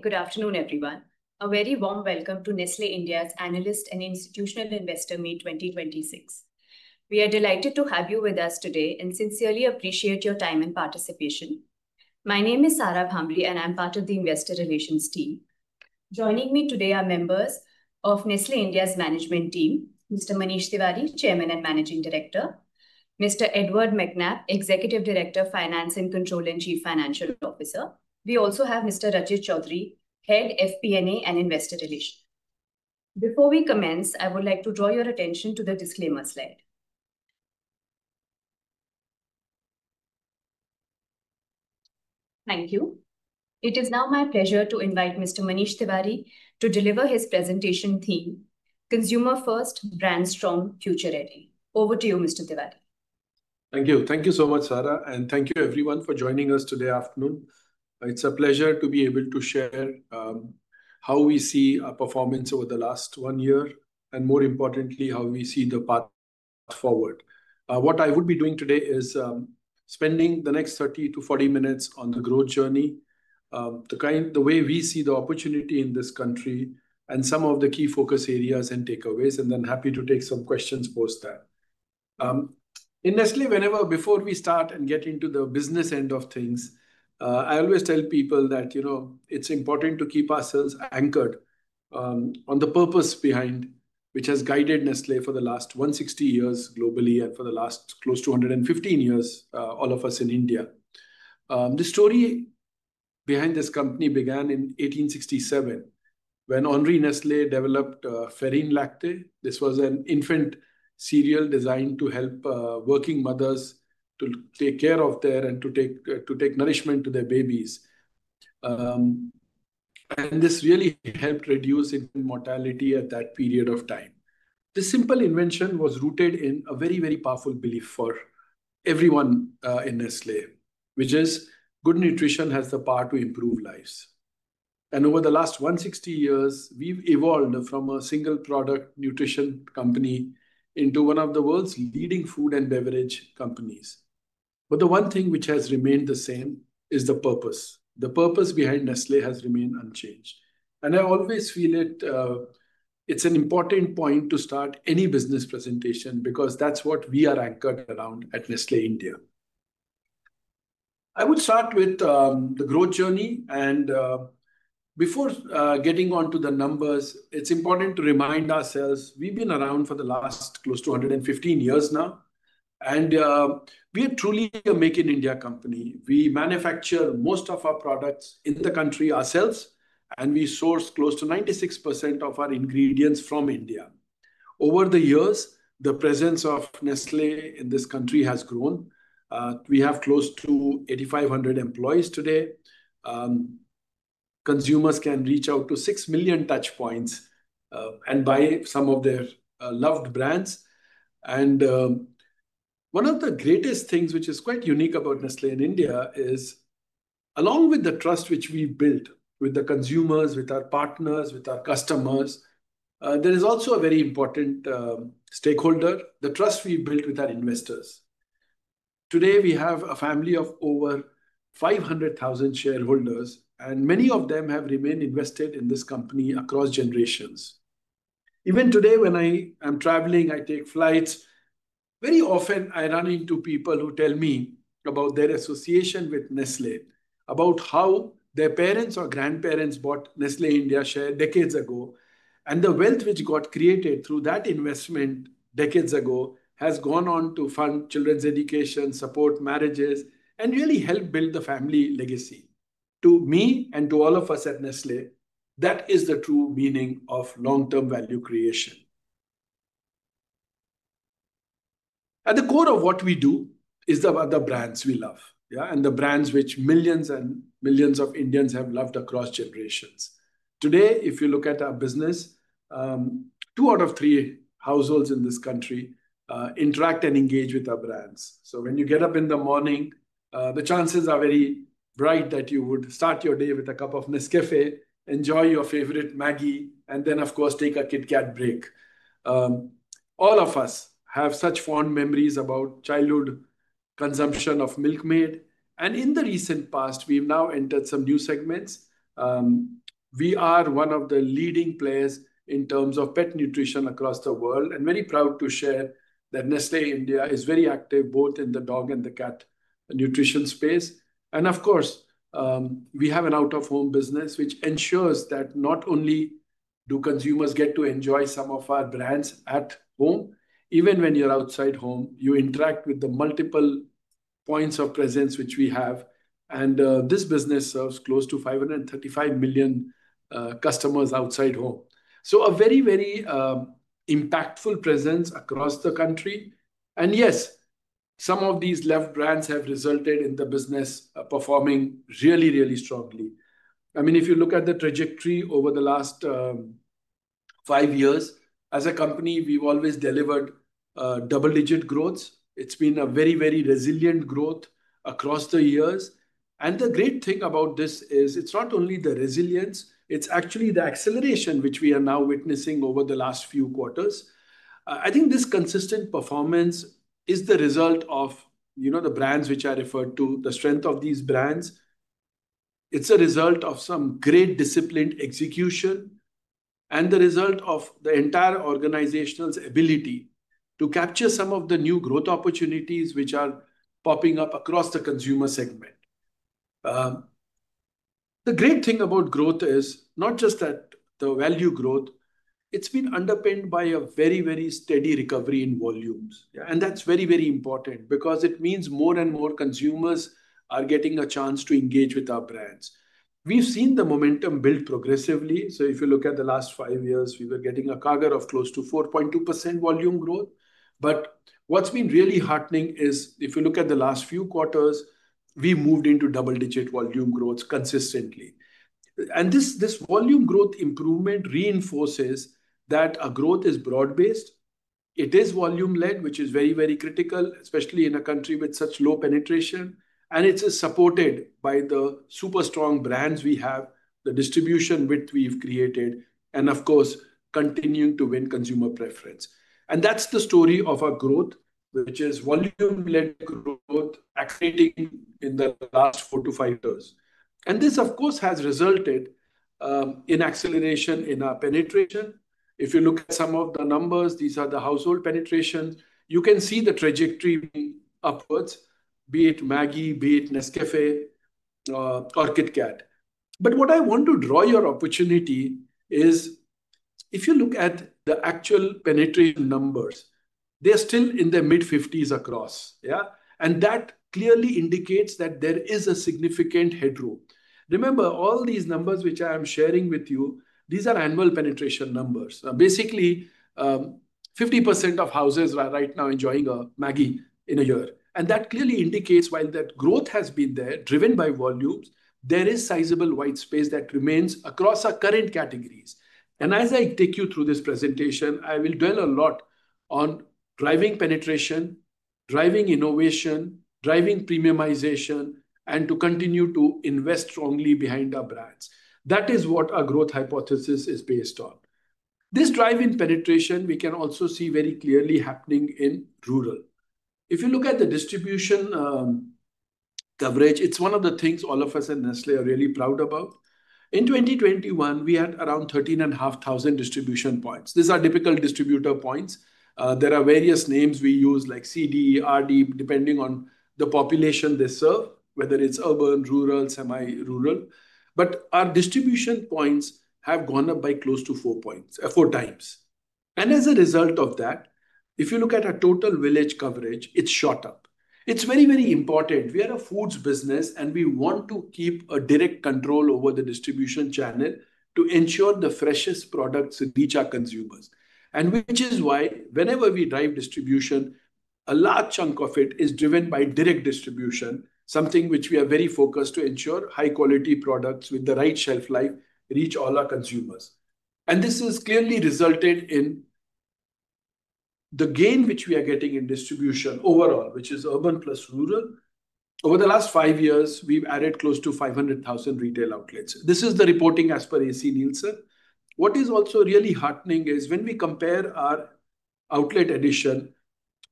Good afternoon, everyone. A very warm welcome to Nestlé India's Analyst and Institutional Investor Meet 2026. We are delighted to have you with us today and sincerely appreciate your time and participation. My name is Sarah Bhambre, and I am part of the investor relations team. Joining me today are members of Nestlé India's management team, Mr. Manish Tiwary, Chairman and Managing Director, Mr. Edouard Mac Nab, Executive Director of Finance and Control and Chief Financial Officer. We also have Mr. Rachit Chaudhary, Head FP&A and Investor Relations. Before we commence, I would like to draw your attention to the disclaimer slide. Thank you. It is now my pleasure to invite Mr. Manish Tiwary to deliver his presentation theme, Consumer First, Brands Strong, Future Ready. Over to you, Mr. Tiwary. Thank you. Thank you so much, Sarah, and thank you everyone for joining us today afternoon. It is a pleasure to be able to share how we see our performance over the last one year, and more importantly, how we see the path forward. What I would be doing today is spending the next 30-40 minutes on the growth journey, the way we see the opportunity in this country, and some of the key focus areas and takeaways, and then happy to take some questions post that. In Nestlé, whenever before we start and get into the business end of things, I always tell people that it is important to keep ourselves anchored on the purpose behind, which has guided Nestlé for the last 160 years globally and for the last close to 115 years, all of us in India. The story behind this company began in 1867 when Henri Nestlé developed Farine Lactée. This was an infant cereal designed to help working mothers to take nourishment to their babies. This really helped reduce infant mortality at that period of time. This simple invention was rooted in a very, very powerful belief for everyone in Nestlé, which is good nutrition has the power to improve lives. Over the last 160 years, we have evolved from a single product nutrition company into one of the world's leading food and beverage companies. The one thing which has remained the same is the purpose. The purpose behind Nestlé has remained unchanged. I always feel it is an important point to start any business presentation because that is what we are anchored around at Nestlé India. I would start with the growth journey. Before getting onto the numbers, it is important to remind ourselves we have been around for the last close to 115 years now, and we are truly a Make in India company. We manufacture most of our products in the country ourselves. We source close to 96% of our ingredients from India. Over the years, the presence of Nestlé in this country has grown. We have close to 8,500 employees today. Consumers can reach out to 6 million touchpoints and buy some of their loved brands. One of the greatest things which is quite unique about Nestlé in India is along with the trust which we have built with the consumers, with our partners, with our customers, there is also a very important stakeholder, the trust we have built with our investors. Today, we have a family of over 500,000 shareholders. Many of them have remained invested in this company across generations. Even today when I am traveling, I take flights, very often I run into people who tell me about their association with Nestlé, about how their parents or grandparents bought Nestlé India share decades ago. The wealth which got created through that investment decades ago has gone on to fund children's education, support marriages, and really help build the family legacy. To me and to all of us at Nestlé, that is the true meaning of long-term value creation. At the core of what we do is about the brands we love, yeah, and the brands which millions and millions of Indians have loved across generations. Today, if you look at our business, two out of three households in this country interact and engage with our brands. When you get up in the morning, the chances are very bright that you would start your day with a cup of Nescafé, enjoy your favorite Maggi, and then, of course, take a KitKat break. All of us have such fond memories about childhood consumption of Milkmaid. In the recent past, we've now entered some new segments. We are one of the leading players in terms of pet nutrition across the world, and very proud to share that Nestlé India is very active both in the dog and the cat nutrition space. Of course, we have an out-of-home business, which ensures that not only do consumers get to enjoy some of our brands at home, even when you're outside home, you interact with the multiple points of presence which we have. This business serves close to 535 million customers outside home. A very, very impactful presence across the country. Yes, some of these loved brands have resulted in the business performing really, really strongly. If you look at the trajectory over the last five years, as a company, we've always delivered double-digit growth. It's been a very, very resilient growth across the years. The great thing about this is it's not only the resilience, it's actually the acceleration which we are now witnessing over the last few quarters. I think this consistent performance is the result of the brands which I referred to, the strength of these brands. It's a result of some great disciplined execution and the result of the entire organization's ability to capture some of the new growth opportunities which are popping up across the consumer segment. The great thing about growth is not just that the value growth, it's been underpinned by a very steady recovery in volumes. Yeah. That's very important because it means more and more consumers are getting a chance to engage with our brands. We've seen the momentum build progressively. If you look at the last five years, we were getting a CAGR of close to 4.2% volume growth. What's been really heartening is, if you look at the last few quarters, we moved into double-digit volume growth consistently. This volume growth improvement reinforces that our growth is broad-based. It is volume-led, which is very critical, especially in a country with such low penetration, and it is supported by the super strong brands we have, the distribution width we've created, and of course, continuing to win consumer preference. That's the story of our growth, which is volume-led growth accelerating in the last four to five years. This, of course, has resulted in acceleration in our penetration. If you look at some of the numbers, these are the household penetrations. You can see the trajectory moving upwards, be it Maggi, be it Nescafé, or KitKat. What I want to draw your opportunity is, if you look at the actual penetration numbers, they're still in their mid-50s across, yeah. That clearly indicates that there is a significant headroom. Remember, all these numbers which I am sharing with you, these are annual penetration numbers. Basically, 50% of houses are right now enjoying Maggi in a year. That clearly indicates while that growth has been there, driven by volumes, there is sizable white space that remains across our current categories. As I take you through this presentation, I will dwell a lot on driving penetration, driving innovation, driving premiumization, to continue to invest strongly behind our brands. That is what our growth hypothesis is based on. This drive in penetration, we can also see very clearly happening in rural. If you look at the distribution coverage, it's one of the things all of us at Nestlé are really proud about. In 2021, we had around 13,500 distribution points. These are typical distributor points. There are various names we use, like CD, RD, depending on the population they serve, whether it's urban, rural, semi-rural. Our distribution points have gone up by close to 4x. As a result of that, if you look at our total village coverage, it shot up. It's very important. We are a foods business, we want to keep a direct control over the distribution channel to ensure the freshest products reach our consumers. Which is why whenever we drive distribution, a large chunk of it is driven by direct distribution, something which we are very focused on to ensure high-quality products with the right shelf life reach all our consumers. This has clearly resulted in the gain which we are getting in distribution overall, which is urban plus rural. Over the last five years, we've added close to 500,000 retail outlets. This is the reporting as per ACNielsen. What is also really heartening is when we compare our outlet addition,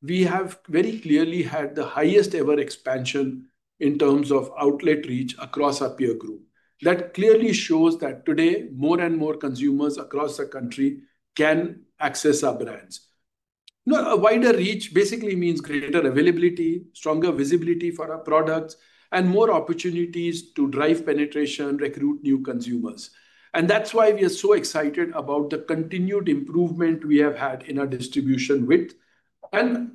we have very clearly had the highest ever expansion in terms of outlet reach across our peer group. That clearly shows that today, more and more consumers across the country can access our brands. A wider reach basically means greater availability, stronger visibility for our products, more opportunities to drive penetration, recruit new consumers. That's why we are so excited about the continued improvement we have had in our distribution width,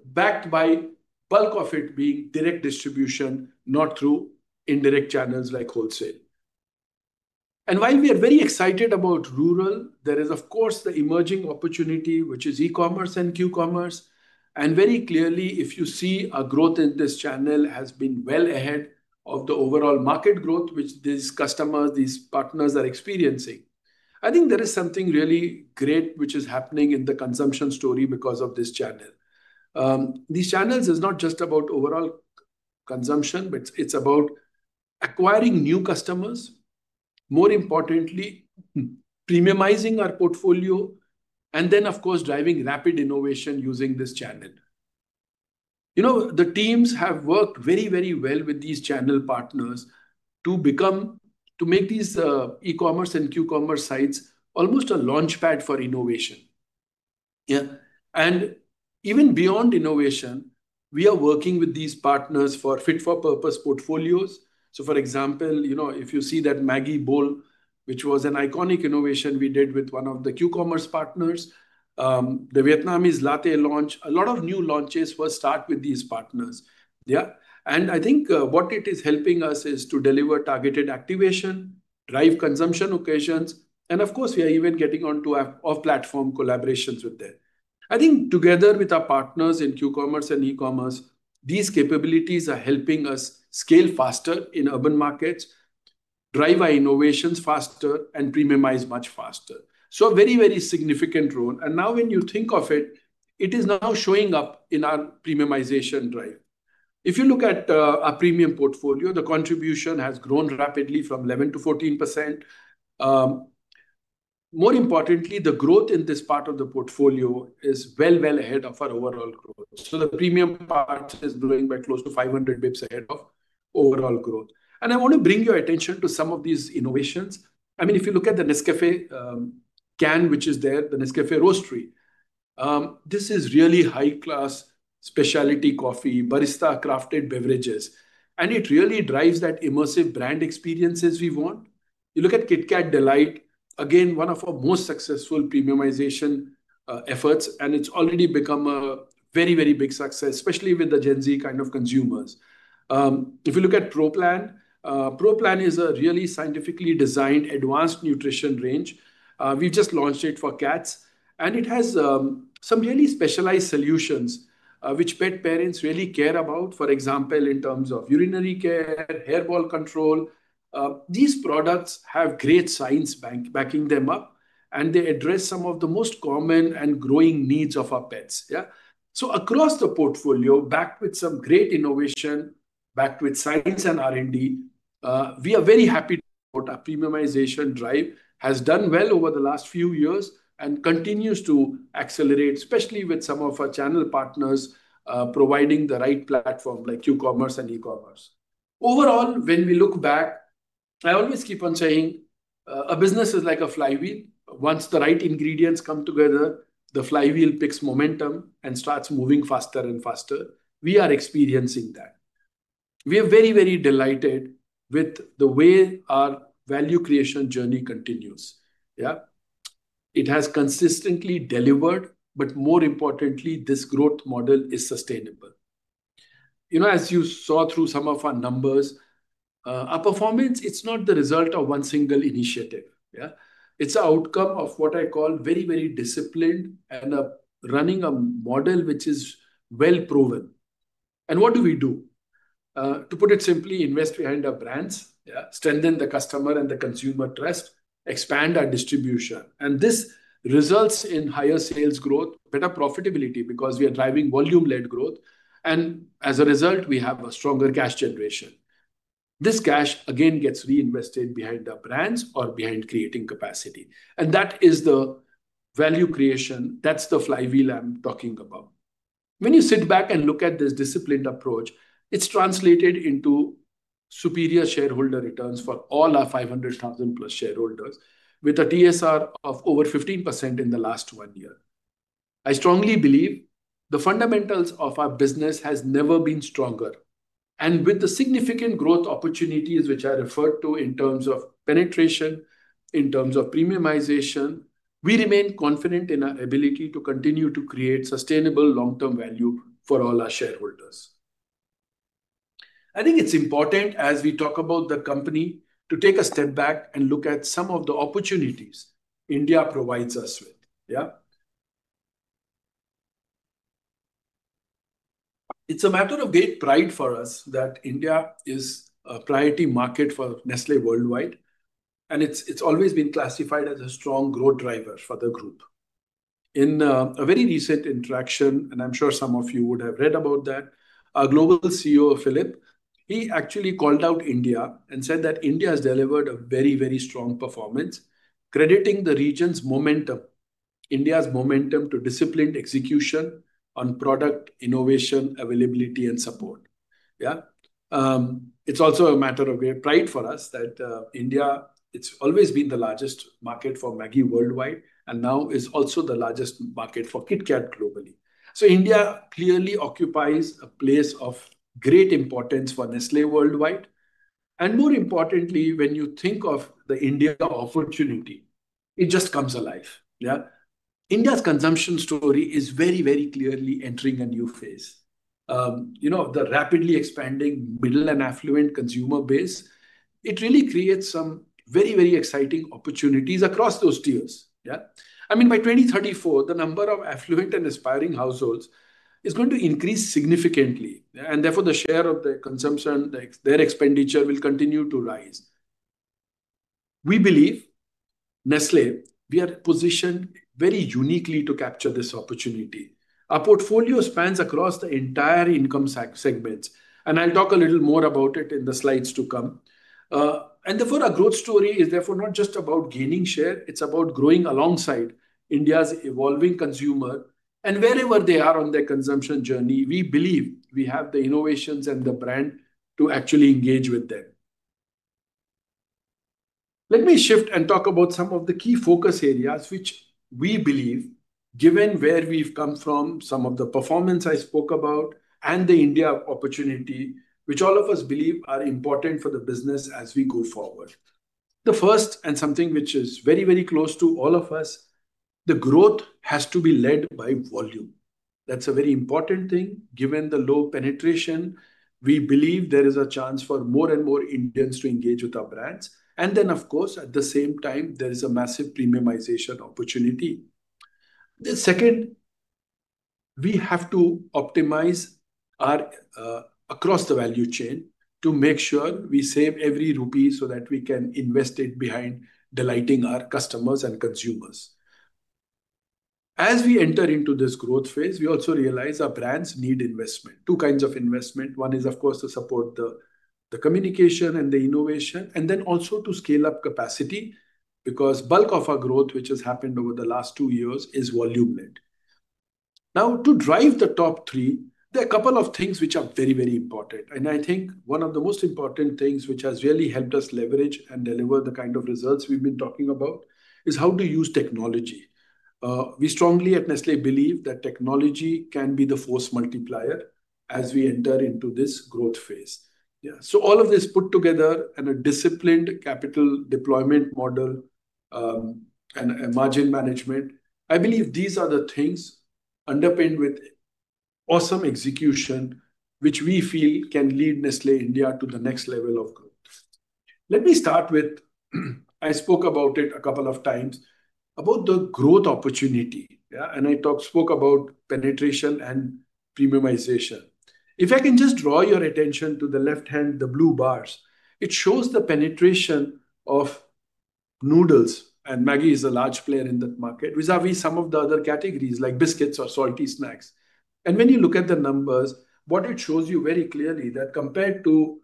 backed by bulk of it being direct distribution, not through indirect channels like wholesale. While we are very excited about rural, there is of course the emerging opportunity, which is e-commerce and Q-commerce. Very clearly, if you see our growth in this channel has been well ahead of the overall market growth which these customers, these partners are experiencing. I think there is something really great which is happening in the consumption story because of this channel. These channels are not just about overall consumption, but it's about acquiring new customers, more importantly, premiumizing our portfolio, then, of course, driving rapid innovation using this channel. The teams have worked very well with these channel partners to make these e-commerce and Q-commerce sites almost a launchpad for innovation. Even beyond innovation, we are working with these partners for fit-for-purpose portfolios. So for example, if you see that Maggi bowl, which was an iconic innovation we did with one of the Q-commerce partners, the Vietnamese Latte launch, a lot of new launches will start with these partners. What it is helping us is to deliver targeted activation, drive consumption occasions, and of course, we are even getting onto off-platform collaborations with them. Together with our partners in Q-commerce and e-commerce, these capabilities are helping us scale faster in urban markets, drive our innovations faster, and premiumize much faster. So a very significant role. Now when you think of it is now showing up in our premiumization drive. If you look at our premium portfolio, the contribution has grown rapidly from 11%-14%. More importantly, the growth in this part of the portfolio is well ahead of our overall growth. The premium part is growing by close to 500 basis points ahead of overall growth. I want to bring your attention to some of these innovations. If you look at the Nescafé can, which is there, the NESCAFÉ Roastery this is really high-class specialty coffee, barista-crafted beverages, and it really drives that immersive brand experiences we want. You look at KitKat Delight, again, one of our most successful premiumization efforts, and it's already become a very big success, especially with the Gen Z kind of consumers. If you look at Pro Plan, Pro Plan is a really scientifically designed advanced nutrition range. We've just launched it for cats, and it has some really specialized solutions which pet parents really care about. For example, in terms of urinary care, hairball control. These products have great science backing them up, and they address some of the most common and growing needs of our pets. Across the portfolio, backed with some great innovation, backed with science and R&D, we are very happy about our premiumization drive, has done well over the last few years and continues to accelerate, especially with some of our channel partners providing the right platform like Q-commerce and e-commerce. When we look back, I always keep on saying, a business is like a flywheel. Once the right ingredients come together, the flywheel picks momentum and starts moving faster and faster. We are experiencing that. We are very delighted with the way our value creation journey continues. It has consistently delivered, more importantly, this growth model is sustainable. As you saw through some of our numbers, our performance, it's not the result of one single initiative. It's the outcome of what I call very disciplined and running a model which is well-proven. What do we do? To put it simply, invest behind our brands, strengthen the customer and the consumer trust, expand our distribution. This results in higher sales growth, better profitability because we are driving volume-led growth. As a result, we have a stronger cash generation. This cash, again, gets reinvested behind our brands or behind creating capacity. That is the value creation. That's the flywheel I'm talking about. When you sit back and look at this disciplined approach, it's translated into superior shareholder returns for all our 500,000+ shareholders, with a TSR of over 15% in the last one year. I strongly believe the fundamentals of our business has never been stronger. With the significant growth opportunities which I referred to in terms of penetration, in terms of premiumization, we remain confident in our ability to continue to create sustainable long-term value for all our shareholders. I think it's important as we talk about the company, to take a step back and look at some of the opportunities India provides us with. Yeah. It's a matter of great pride for us that India is a priority market for Nestlé worldwide, and it's always been classified as a strong growth driver for the group. In a very recent interaction, and I'm sure some of you would have read about that, our Global CEO, Philipp, he actually called out India and said that India has delivered a very strong performance, crediting India's momentum to disciplined execution on product innovation, availability, and support. Yeah. It's also a matter of great pride for us that India, it's always been the largest market for Maggi worldwide, and now is also the largest market for KitKat globally. India clearly occupies a place of great importance for Nestlé worldwide. More importantly, when you think of the India opportunity, it just comes alive. Yeah. India's consumption story is very clearly entering a new phase. The rapidly expanding middle and affluent consumer base, it really creates some very exciting opportunities across those tiers. Yeah. By 2034, the number of affluent and aspiring households is going to increase significantly. Therefore, the share of their consumption, their expenditure will continue to rise. We believe, Nestlé, we are positioned very uniquely to capture this opportunity. Our portfolio spans across the entire income segments, and I'll talk a little more about it in the slides to come. Therefore, our growth story is therefore not just about gaining share, it's about growing alongside India's evolving consumer. Wherever they are on their consumption journey, we believe we have the innovations and the brand to actually engage with them. Let me shift and talk about some of the key focus areas which we believe, given where we've come from, some of the performance I spoke about, and the India opportunity, which all of us believe are important for the business as we go forward. The first, and something which is very close to all of us, the growth has to be led by volume. That's a very important thing given the low penetration. We believe there is a chance for more and more Indians to engage with our brands. Then, of course, at the same time, there is a massive premiumization opportunity. The second, we have to optimize across the value chain to make sure we save every rupee so that we can invest it behind delighting our customers and consumers. As we enter into this growth phase, we also realize our brands need investment. Two kinds of investment. One is, of course, to support the communication and the innovation, and then also to scale up capacity, because bulk of our growth, which has happened over the last two years, is volume-led. To drive the top three, there are a couple of things which are very important. I think one of the most important things which has really helped us leverage and deliver the kind of results we've been talking about is how to use technology. We strongly, at Nestlé, believe that technology can be the force multiplier as we enter into this growth phase. All of this put together in a disciplined capital deployment model and margin management, I believe these are the things underpinned with awesome execution, which we feel can lead Nestlé India to the next level of growth. Let me start with, I spoke about it a couple of times, about the growth opportunity. I spoke about penetration and premiumization. If I can just draw your attention to the left hand, the blue bars, it shows the penetration of noodles, and Maggi is a large player in that market, vis-à-vis some of the other categories like biscuits or salty snacks. When you look at the numbers, what it shows you very clearly, that compared to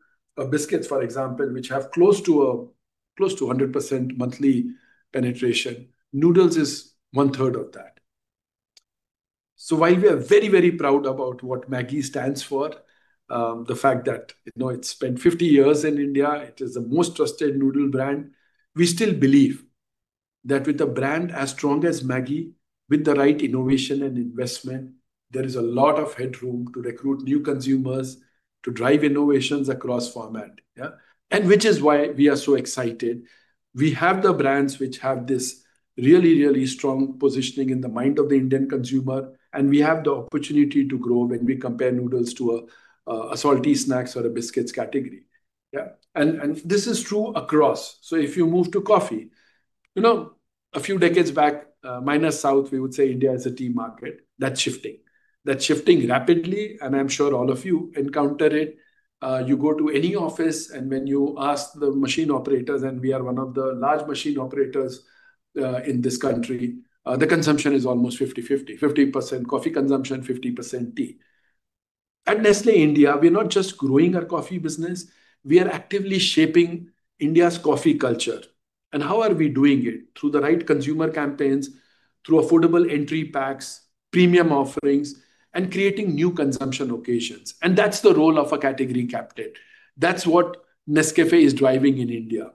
biscuits, for example, which have close to 100% monthly penetration, noodles is 1/3 of that. While we are very proud about what Maggi stands for, the fact that it's spent 50 years in India, it is the most trusted noodle brand, we still believe that with a brand as strong as Maggi, with the right innovation and investment, there is a lot of headroom to recruit new consumers, to drive innovations across format. Which is why we are so excited. We have the brands which have this really strong positioning in the mind of the Indian consumer, we have the opportunity to grow when we compare noodles to a salty snacks or a biscuits category. This is true across. If you move to coffee. A few decades back, minus south, we would say India is a tea market. That's shifting. That's shifting rapidly, and I'm sure all of you encounter it. You go to any office, and when you ask the machine operators, and we are one of the large machine operators in this country, the consumption is almost 50/50. 50% coffee consumption, 50% tea. At Nestlé India, we're not just growing our coffee business, we are actively shaping India's coffee culture. How are we doing it? Through the right consumer campaigns, through affordable entry packs, premium offerings, and creating new consumption occasions. That's the role of a category captain. That's what Nescafé is driving in India.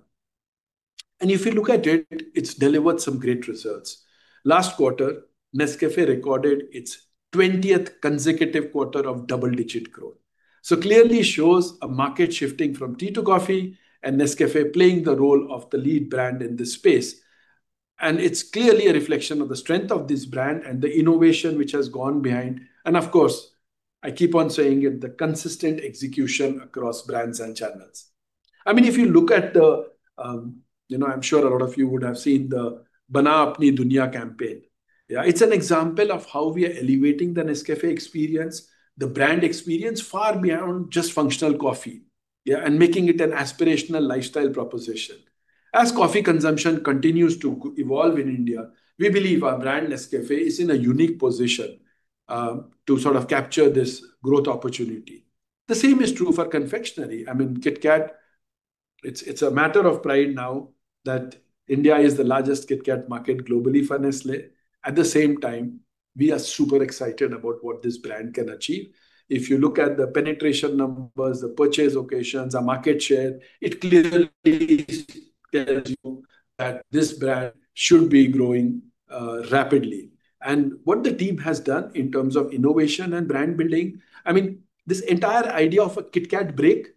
If you look at it's delivered some great results. Last quarter, Nescafé recorded its 20th consecutive quarter of double-digit growth. Clearly shows a market shifting from tea to coffee and Nescafé playing the role of the lead brand in this space. It's clearly a reflection of the strength of this brand and the innovation which has gone behind. Of course, I keep on saying it, the consistent execution across brands and channels. If you look at the I'm sure a lot of you would have seen the Banao Apni Duniya campaign. It's an example of how we are elevating the Nescafé experience, the brand experience, far beyond just functional coffee, and making it an aspirational lifestyle proposition. As coffee consumption continues to evolve in India, we believe our brand, Nescafé, is in a unique position to sort of capture this growth opportunity. The same is true for confectionery. KitKat, it's a matter of pride now that India is the largest KitKat market globally for Nestlé. At the same time, we are super excited about what this brand can achieve. If you look at the penetration numbers, the purchase occasions, our market share, it clearly tells you that this brand should be growing rapidly. What the team has done in terms of innovation and brand building, this entire idea of a KitKat break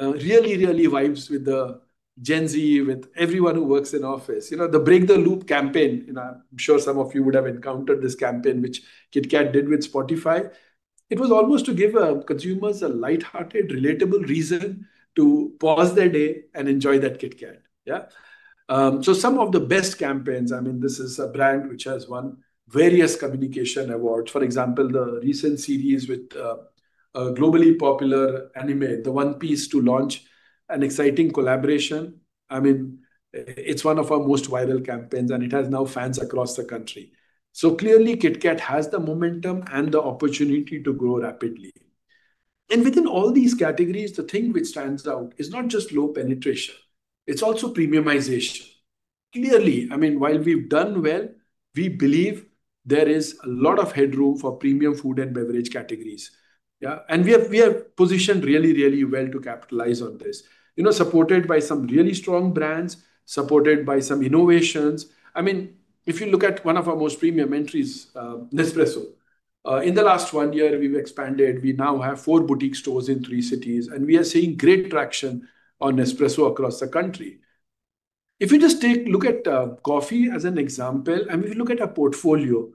really vibes with the Gen Z, with everyone who works in office. The Break The Loop campaign, I'm sure some of you would have encountered this campaign, which KitKat did with Spotify. It was almost to give consumers a lighthearted, relatable reason to pause their day and enjoy that KitKat. Some of the best campaigns, this is a brand which has won various communication awards. For example, the recent series with a globally popular anime, "One Piece," to launch an exciting collaboration. It's one of our most viral campaigns, it has now fans across the country. Clearly, KitKat has the momentum and the opportunity to grow rapidly. Within all these categories, the thing which stands out is not just low penetration, it's also premiumization. Clearly, while we've done well, we believe there is a lot of headroom for premium food and beverage categories. We have positioned really well to capitalize on this. Supported by some really strong brands, supported by some innovations. If you look at one of our most premium entries, Nespresso. In the last one year, we've expanded. We now have four boutique stores in three cities. We are seeing great traction on Nespresso across the country. If you just take a look at coffee as an example, if you look at our portfolio.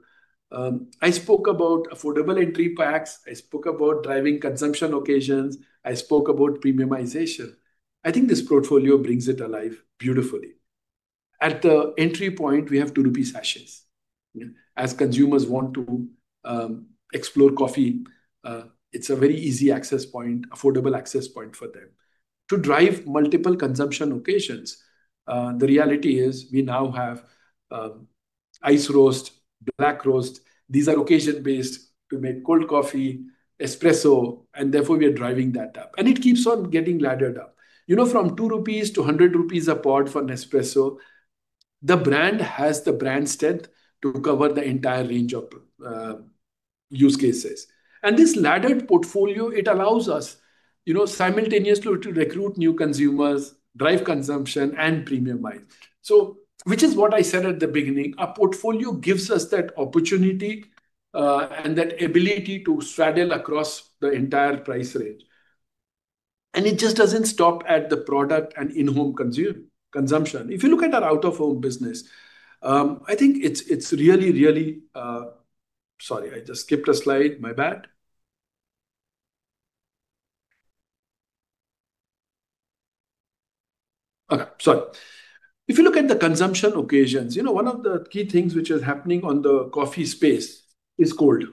I spoke about affordable entry packs, I spoke about driving consumption occasions, I spoke about premiumization. I think this portfolio brings it alive beautifully. At the entry point, we have 2 rupees sachets. As consumers want to explore coffee, it's a very easy access point, affordable access point for them. To drive multiple consumption occasions. The reality is we now have Ice Roast, Black Roast. These are occasion-based to make cold coffee, espresso, therefore, we are driving that up. It keeps on getting laddered up. From 2-100 rupees a pod for Nespresso, the brand has the brand strength to cover the entire range of use cases. This laddered portfolio, it allows us simultaneously to recruit new consumers, drive consumption, and premiumize. Which is what I said at the beginning, our portfolio gives us that opportunity and that ability to straddle across the entire price range. It just doesn't stop at the product and in-home consumption. If you look at our out-of-home business, I think it's really Sorry, I just skipped a slide. My bad. Okay, sorry. If you look at the consumption occasions, one of the key things which is happening on the coffee space is cold.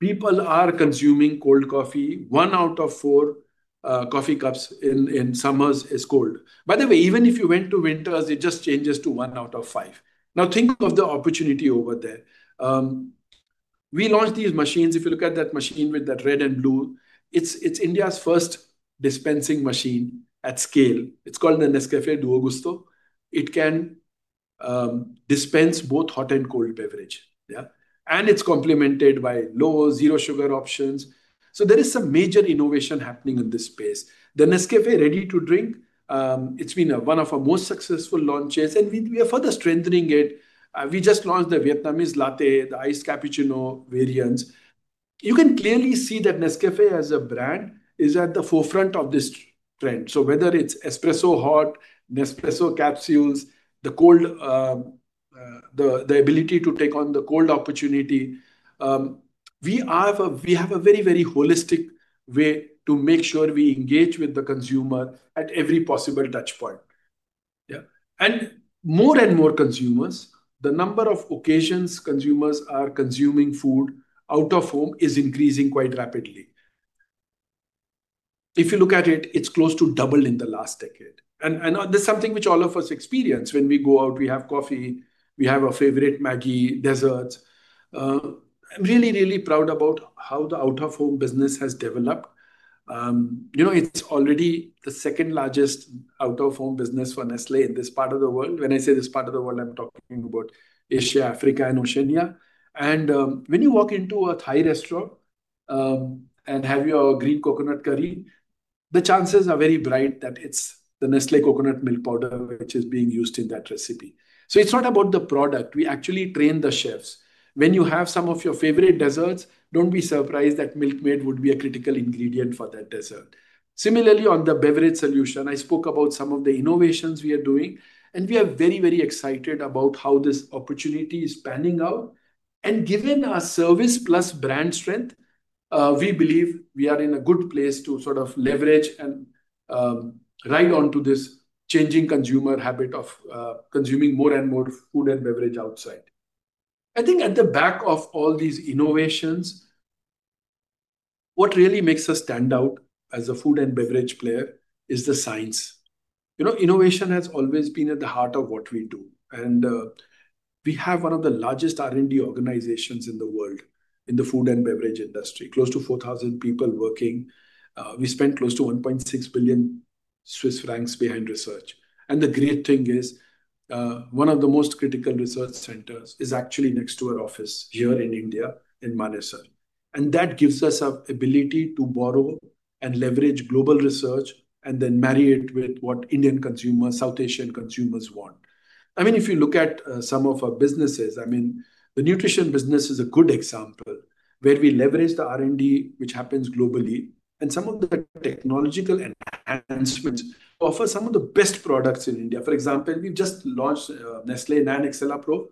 People are consuming cold coffee. One out of four coffee cups in summers is cold. By the way, even if you went to winters, it just changes to one out of five. Think of the opportunity over there. We launched these machines, if you look at that machine with that red and blue, it's India's first dispensing machine at scale. It's called the Nescafé Dolce Gusto. It can dispense both hot and cold beverage. It's complemented by low, zero sugar options. There is some major innovation happening in this space. The Nescafé Ready-to-Drink, it's been one of our most successful launches, and we are further strengthening it. We just launched the Vietnamese Latte, the iced cappuccino variants. You can clearly see that Nescafé, as a brand, is at the forefront of this trend. Whether it's espresso hot, Nespresso capsules, the ability to take on the cold opportunity, we have a very holistic way to make sure we engage with the consumer at every possible touch point. More and more consumers, the number of occasions consumers are consuming food out of home is increasing quite rapidly. If you look at it's close to double in the last decade. That's something which all of us experience when we go out, we have coffee, we have our favorite Maggi desserts. I'm really proud about how the out-of-home business has developed. It's already the second-largest out-of-home business for Nestlé in this part of the world. When I say this part of the world, I'm talking about Asia, Africa, and Oceania. When you walk into a Thai restaurant and have your green coconut curry, the chances are very bright that it's the Nestlé coconut milk powder which is being used in that recipe. It's not about the product. We actually train the chefs. When you have some of your favorite desserts, don't be surprised that Milkmaid would be a critical ingredient for that dessert. Similarly, on the beverage solution, I spoke about some of the innovations we are doing, and we are very excited about how this opportunity is panning out. Given our service plus brand strength, we believe we are in a good place to leverage and ride onto this changing consumer habit of consuming more and more food and beverage outside. I think at the back of all these innovations, what really makes us stand out as a food and beverage player is the science. Innovation has always been at the heart of what we do, and we have one of the largest R&D organizations in the world in the food and beverage industry, close to 4,000 people working. We spent close to 1.6 billion Swiss francs behind research. The great thing is, one of the most critical research centers is actually next to our office here in India, in Manesar. That gives us ability to borrow and leverage global research and then marry it with what Indian consumers, South Asian consumers want. If you look at some of our businesses, the nutrition business is a good example, where we leverage the R&D which happens globally and some of the technological enhancements offer some of the best products in India. For example, we've just launched Nestlé NAN EXCELLAPRO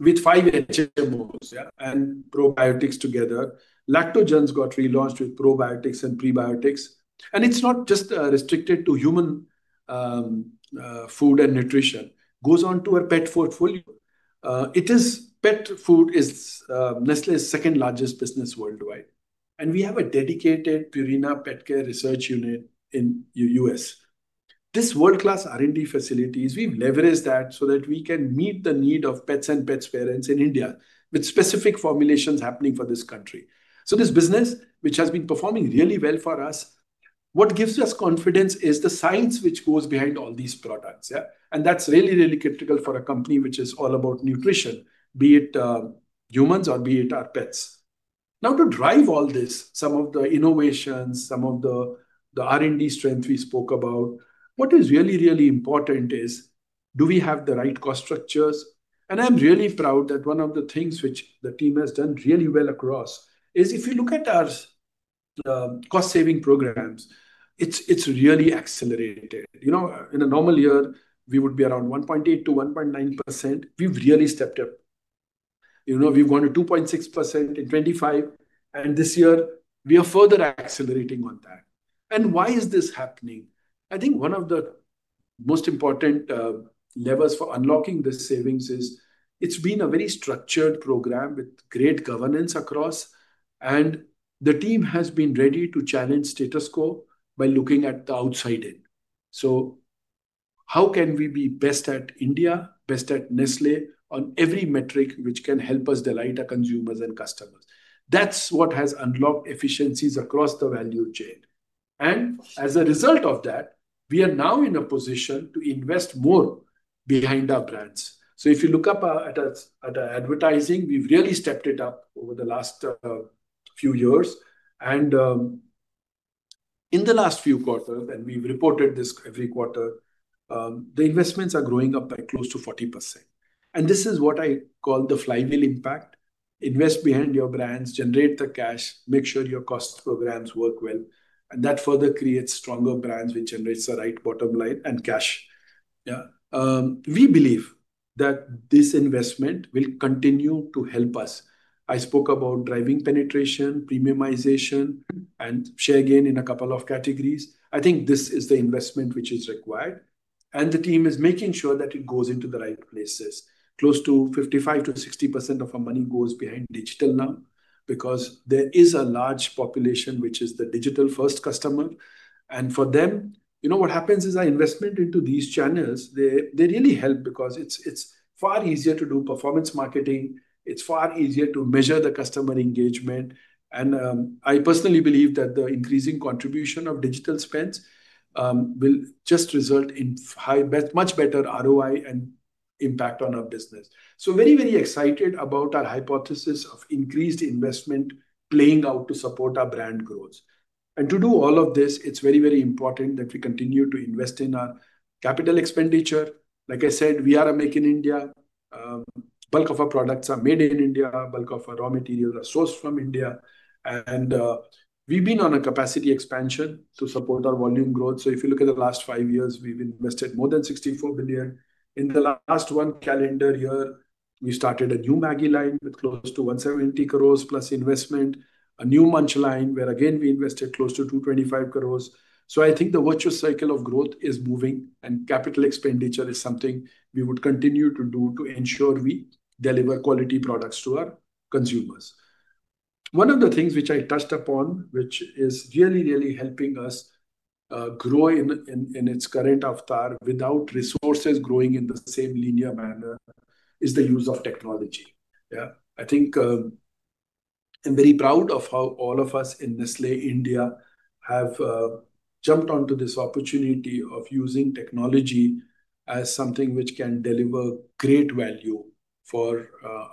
with five HMOs and probiotics together. Lactogen's got relaunched with probiotics and prebiotics. It's not just restricted to human food and nutrition. Goes on to our pet portfolio. Pet food is Nestlé's second-largest business worldwide, and we have a dedicated Purina Pet Care Research Unit in U.S. This world-class R&D facilities, we've leveraged that so that we can meet the need of pets and pets' parents in India with specific formulations happening for this country. This business, which has been performing really well for us, what gives us confidence is the science which goes behind all these products. Yeah. That's really critical for a company which is all about nutrition, be it humans or be it our pets. To drive all this, some of the innovations, some of the R&D strength we spoke about, what is really important is, do we have the right cost structures? I'm really proud that one of the things which the team has done really well across is if you look at our cost-saving programs, it's really accelerated. In a normal year, we would be around 1.8%-1.9%. We've really stepped up. We wanted 2.6% in 2025, this year we are further accelerating on that. Why is this happening? I think one of the most important levers for unlocking the savings is it's been a very structured program with great governance across, the team has been ready to challenge status quo by looking at the outside in. How can we be best at India, best at Nestlé on every metric, which can help us delight our consumers and customers? That's what has unlocked efficiencies across the value chain. As a result of that, we are now in a position to invest more behind our brands. If you look up at our advertising, we've really stepped it up over the last few years. In the last few quarters, and we've reported this every quarter, the investments are growing up by close to 40%. This is what I call the flywheel impact. Invest behind your brands, generate the cash, make sure your cost programs work well, that further creates stronger brands, which generates the right bottom line and cash. Yeah. We believe that this investment will continue to help us. I spoke about driving penetration, premiumization, and share gain in a couple of categories. I think this is the investment which is required, the team is making sure that it goes into the right places. Close to 55%-60% of our money goes behind digital now because there is a large population which is the digital-first customer. For them, you know what happens is our investment into these channels, they really help because it's far easier to do performance marketing, it's far easier to measure the customer engagement. I personally believe that the increasing contribution of digital spends will just result in much better ROI and impact on our business. Very, very excited about our hypothesis of increased investment playing out to support our brand growth. To do all of this, it's very, very important that we continue to invest in our capital expenditure. Like I said, we are a Make in India. Bulk of our products are made in India. Bulk of our raw material are sourced from India. We've been on a capacity expansion to support our volume growth. If you look at the last five years, we've invested more than 64 billion. In the last one calendar year, we started a new Maggi line with close to 170 crore plus investment, a new Munch line where again, we invested close to 225 crore. I think the virtuous cycle of growth is moving, and capital expenditure is something we would continue to do to ensure we deliver quality products to our consumers. One of the things which I touched upon, which is really, really helping us grow in its current avatar without resources growing in the same linear manner is the use of technology. I think I'm very proud of how all of us in Nestlé India have jumped onto this opportunity of using technology as something which can deliver great value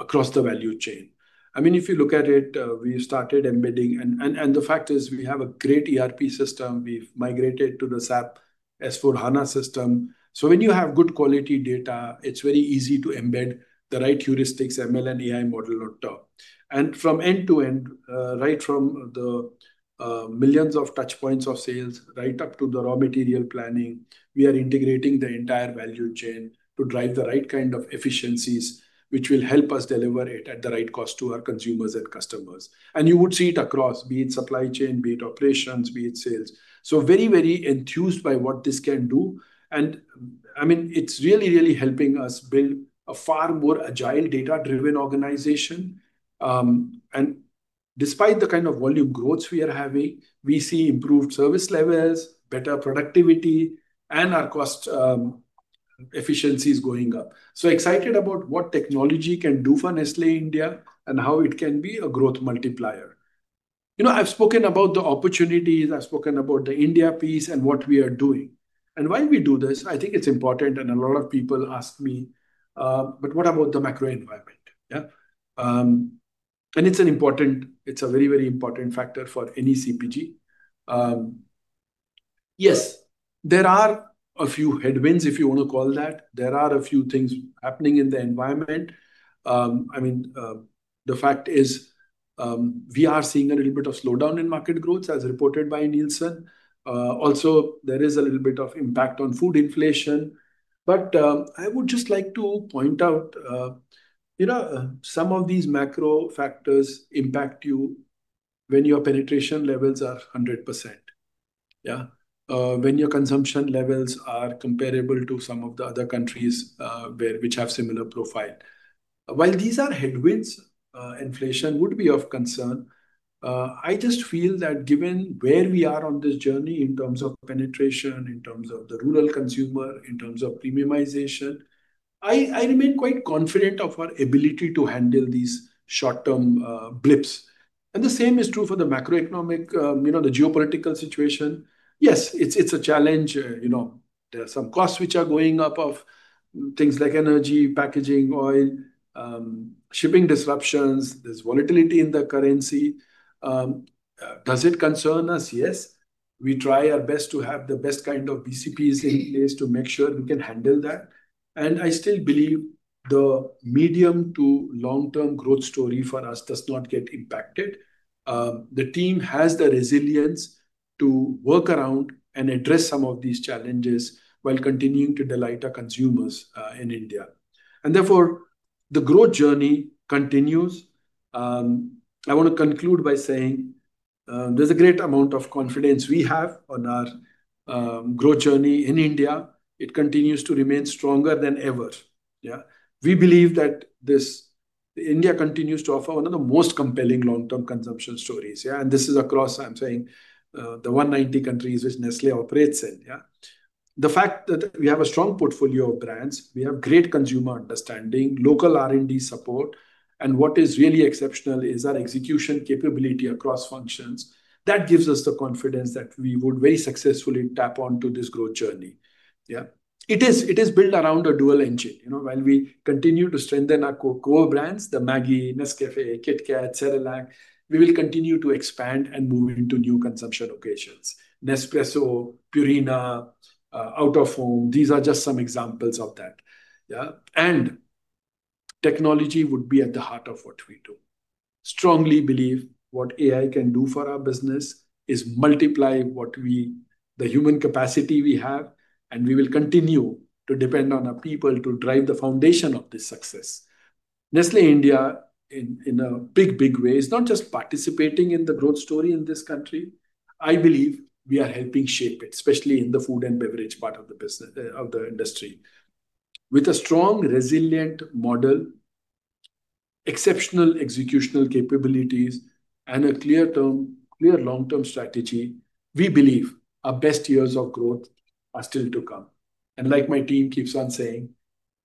across the value chain. If you look at it, the fact is we have a great ERP system. We've migrated to the SAP S/4HANA system. When you have good quality data, it's very easy to embed the right heuristics, ML, and AI model on top. From end to end, right from the millions of touch points of sales right up to the raw material planning, we are integrating the entire value chain to drive the right kind of efficiencies, which will help us deliver it at the right cost to our consumers and customers. You would see it across, be it supply chain, be it operations, be it sales. Very, very enthused by what this can do, and it's really, really helping us build a far more agile, data-driven organization. Despite the kind of volume growth we are having, we see improved service levels, better productivity, and our cost efficiency is going up. Excited about what technology can do for Nestlé India and how it can be a growth multiplier. I've spoken about the opportunities, I've spoken about the India piece and what we are doing. While we do this, I think it's important, and a lot of people ask me, "What about the macro environment?" It's a very, very important factor for any CPG. Yes, there are a few headwinds, if you want to call that. There are a few things happening in the environment. The fact is, we are seeing a little bit of slowdown in market growth as reported by Nielsen. Also, there is a little bit of impact on food inflation. I would just like to point out, some of these macro factors impact you when your penetration levels are 100%. When your consumption levels are comparable to some of the other countries which have similar profile. While these are headwinds, inflation would be of concern. I just feel that given where we are on this journey in terms of penetration, in terms of the rural consumer, in terms of premiumization, I remain quite confident of our ability to handle these short-term blips. The same is true for the macroeconomic, the geopolitical situation. Yes, it's a challenge. There are some costs which are going up of things like energy, packaging, oil, shipping disruptions. There's volatility in the currency. Does it concern us? Yes. We try our best to have the best kind of PCPs in place to make sure we can handle that. I still believe the medium to long-term growth story for us does not get impacted. The team has the resilience to work around and address some of these challenges while continuing to delight our consumers in India. Therefore, the growth journey continues. I want to conclude by saying there is a great amount of confidence we have on our growth journey in India. It continues to remain stronger than ever. Yeah. We believe that India continues to offer one of the most compelling long-term consumption stories. Yeah. This is across, I am saying, the 190 countries which Nestlé operates in. Yeah. The fact that we have a strong portfolio of brands, we have great consumer understanding, local R&D support, and what is really exceptional is our execution capability across functions. That gives us the confidence that we would very successfully tap onto this growth journey. Yeah. It is built around a dual engine. While we continue to strengthen our core brands, the Maggi, Nescafé, KitKat, Cerelac, we will continue to expand and move into new consumption locations. Nespresso, Purina, out of home, these are just some examples of that. Yeah. Technology would be at the heart of what we do. Strongly believe what AI can do for our business is multiply the human capacity we have, and we will continue to depend on our people to drive the foundation of this success. Nestlé India, in a big, big way, is not just participating in the growth story in this country. I believe we are helping shape it, especially in the food and beverage part of the industry. With a strong, resilient model, exceptional executional capabilities, and a clear long-term strategy, we believe our best years of growth are still to come. Like my team keeps on saying,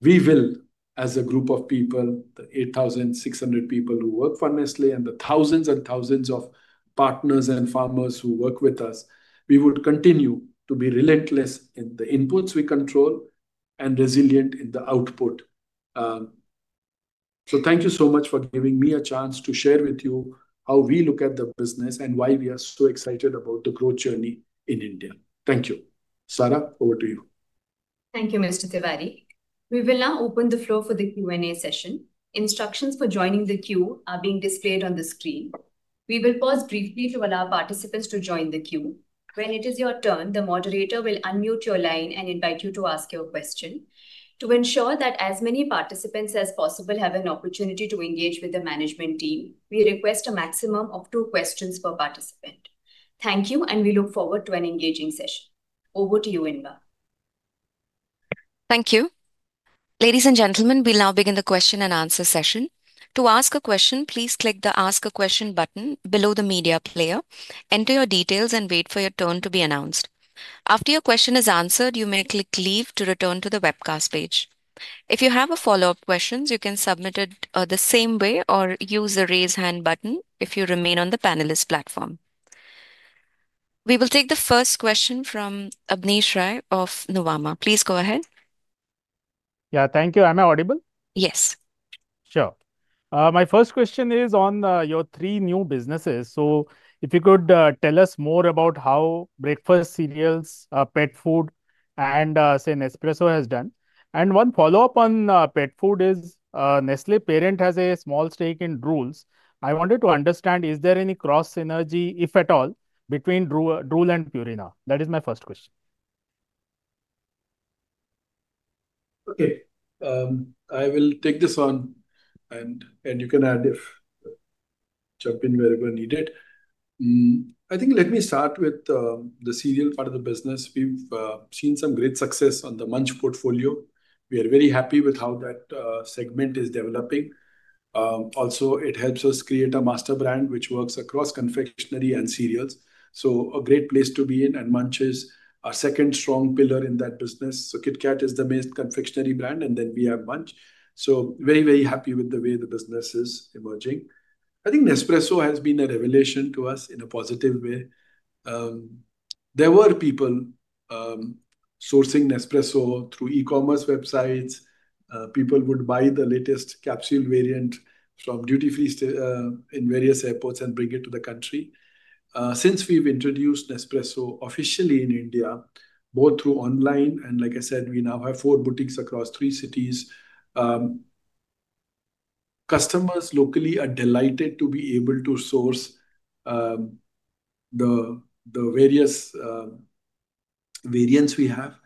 we will, as a group of people, the 8,600 people who work for Nestlé, and the thousands and thousands of partners and farmers who work with us, we would continue to be relentless in the inputs we control and resilient in the output. Thank you so much for giving me a chance to share with you how we look at the business and why we are so excited about the growth journey in India. Thank you. Sarah, over to you. Thank you, Mr. Tiwary. We will now open the floor for the Q&A session. Instructions for joining the queue are being displayed on the screen. We will pause briefly to allow participants to join the queue. When it is your turn, the moderator will unmute your line and invite you to ask your question. To ensure that as many participants as possible have an opportunity to engage with the management team, we request a maximum of two questions per participant. Thank you, we look forward to an engaging session. Over to you, [Inba] Thank you. Ladies and gentlemen, we will now begin the question-and-answer session. To ask a question, please click the Ask a Question button below the media player, enter your details, and wait for your turn to be announced. After your question is answered, you may click Leave to return to the webcast page. If you have a follow-up question, you can submit it the same way or use the Raise Hand button if you remain on the panelist platform. We will take the first question from Abneesh Roy of Nuvama. Please go ahead. Yeah, thank you. Am I audible? Yes. Sure. My first question is on your three new businesses. If you could tell us more about how breakfast cereals, pet food, and Nespresso has done. One follow-up on pet food is, Nestlé parent has a small stake in Drools. I wanted to understand, is there any cross synergy, if at all, between Drools and Purina? That is my first question. Okay. I will take this on, and you can jump in wherever needed. I think let me start with the cereal part of the business. We have seen some great success on the Munch portfolio. We are very happy with how that segment is developing. Also, it helps us create a master brand, which works across confectionery and cereals. A great place to be in, and Munch is our second strong pillar in that business. KitKat is the main confectionery brand, and then we have Munch. Very happy with the way the business is emerging. I think Nespresso has been a revelation to us in a positive way. There were people sourcing Nespresso through e-commerce websites. People would buy the latest capsule variant from duty-free in various airports and bring it to the country. Since we've introduced Nespresso officially in India, both through online and like I said, we now have four boutiques across three cities. Customers locally are delighted to be able to source the various variants we have,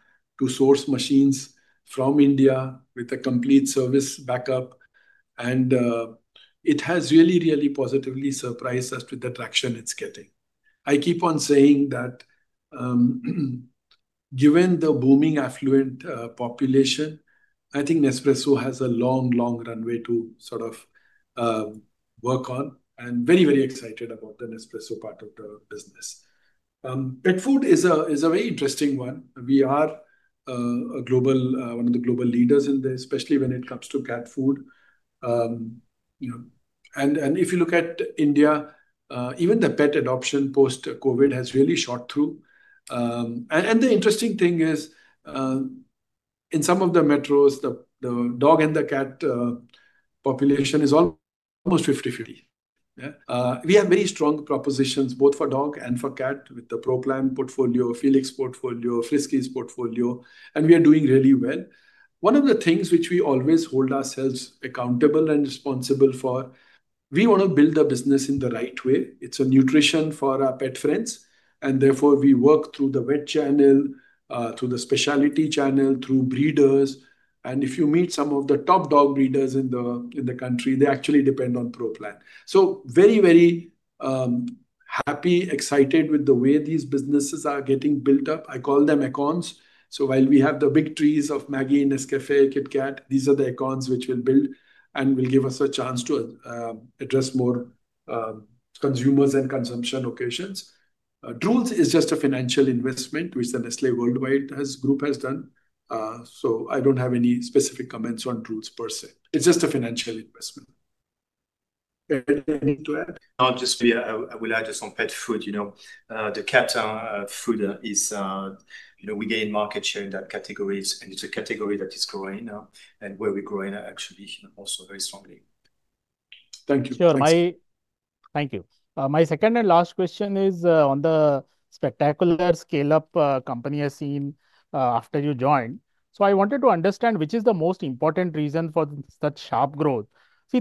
to source machines from India with a complete service backup, and it has really positively surprised us with the traction it's getting. I keep on saying that given the booming affluent population, I think Nespresso has a long, long runway to sort of work on, and very excited about the Nespresso part of the business. Pet food is a very interesting one. We are one of the global leaders in this, especially when it comes to cat food. If you look at India, even the pet adoption post-COVID has really shot through. The interesting thing is, in some of the metros, the dog and the cat population is almost 50/50. Yeah. We have very strong propositions both for dog and for cat with the Pro Plan portfolio, Felix portfolio, Friskies portfolio, and we are doing really well. One of the things which we always hold ourselves accountable and responsible for, we want to build the business in the right way. It's nutrition for our pet friends. Therefore, we work through the vet channel, through the specialty channel, through breeders. If you meet some of the top dog breeders in the country, they actually depend on Pro Plan. Very happy, excited with the way these businesses are getting built up. I call them icons. While we have the big trees of Maggi, Nescafé, KitKat, these are the icons which we'll build and will give us a chance to address more consumers and consumption occasions. Drools is just a financial investment which the Nestlé worldwide group has done. I don't have any specific comments on Drools per se. It's just a financial investment. Anything to add? No, just maybe I will add just on pet food. We gain market share in that category, and it's a category that is growing now and where we're growing actually also very strongly. Thank you. Sure. Thank you. My second and last question is on the spectacular scale-up company has seen after you joined. I wanted to understand, which is the most important reason for such sharp growth?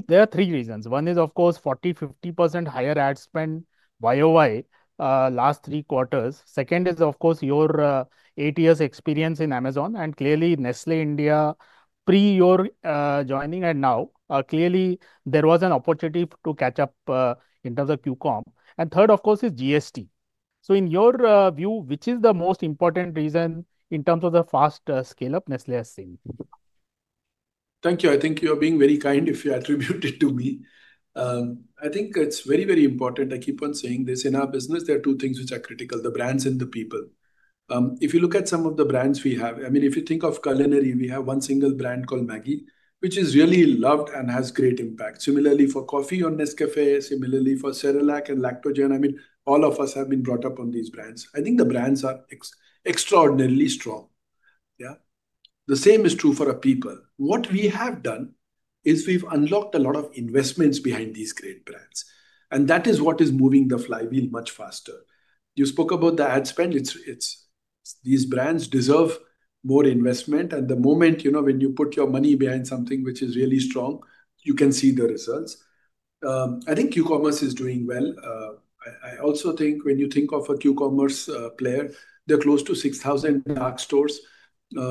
There are three reasons. One is, of course, 40%-50% higher ad spend YoY, last three quarters. Second is, of course, your eight years experience in Amazon, and clearly Nestlé India pre your joining and now, clearly there was an opportunity to catch up in terms of Q-com. Third, of course, is GST. In your view, which is the most important reason in terms of the faster scale-up Nestlé has seen? Thank you. I think you're being very kind if you attribute it to me. I think it's very important. I keep on saying this. In our business, there are two things which are critical, the brands and the people. If you look at some of the brands we have, if you think of culinary, we have one single brand called Maggi, which is really loved and has great impact. Similarly for coffee on Nescafé, similarly for Cerelac and Lactogen. All of us have been brought up on these brands. I think the brands are extraordinarily strong. The same is true for our people. What we have done is we've unlocked a lot of investments behind these great brands, and that is what is moving the flywheel much faster. You spoke about the ad spend. These brands deserve more investment. The moment when you put your money behind something which is really strong, you can see the results. I think Q-commerce is doing well. I also think when you think of a Q-commerce player, they're close to 6,000 dark stores.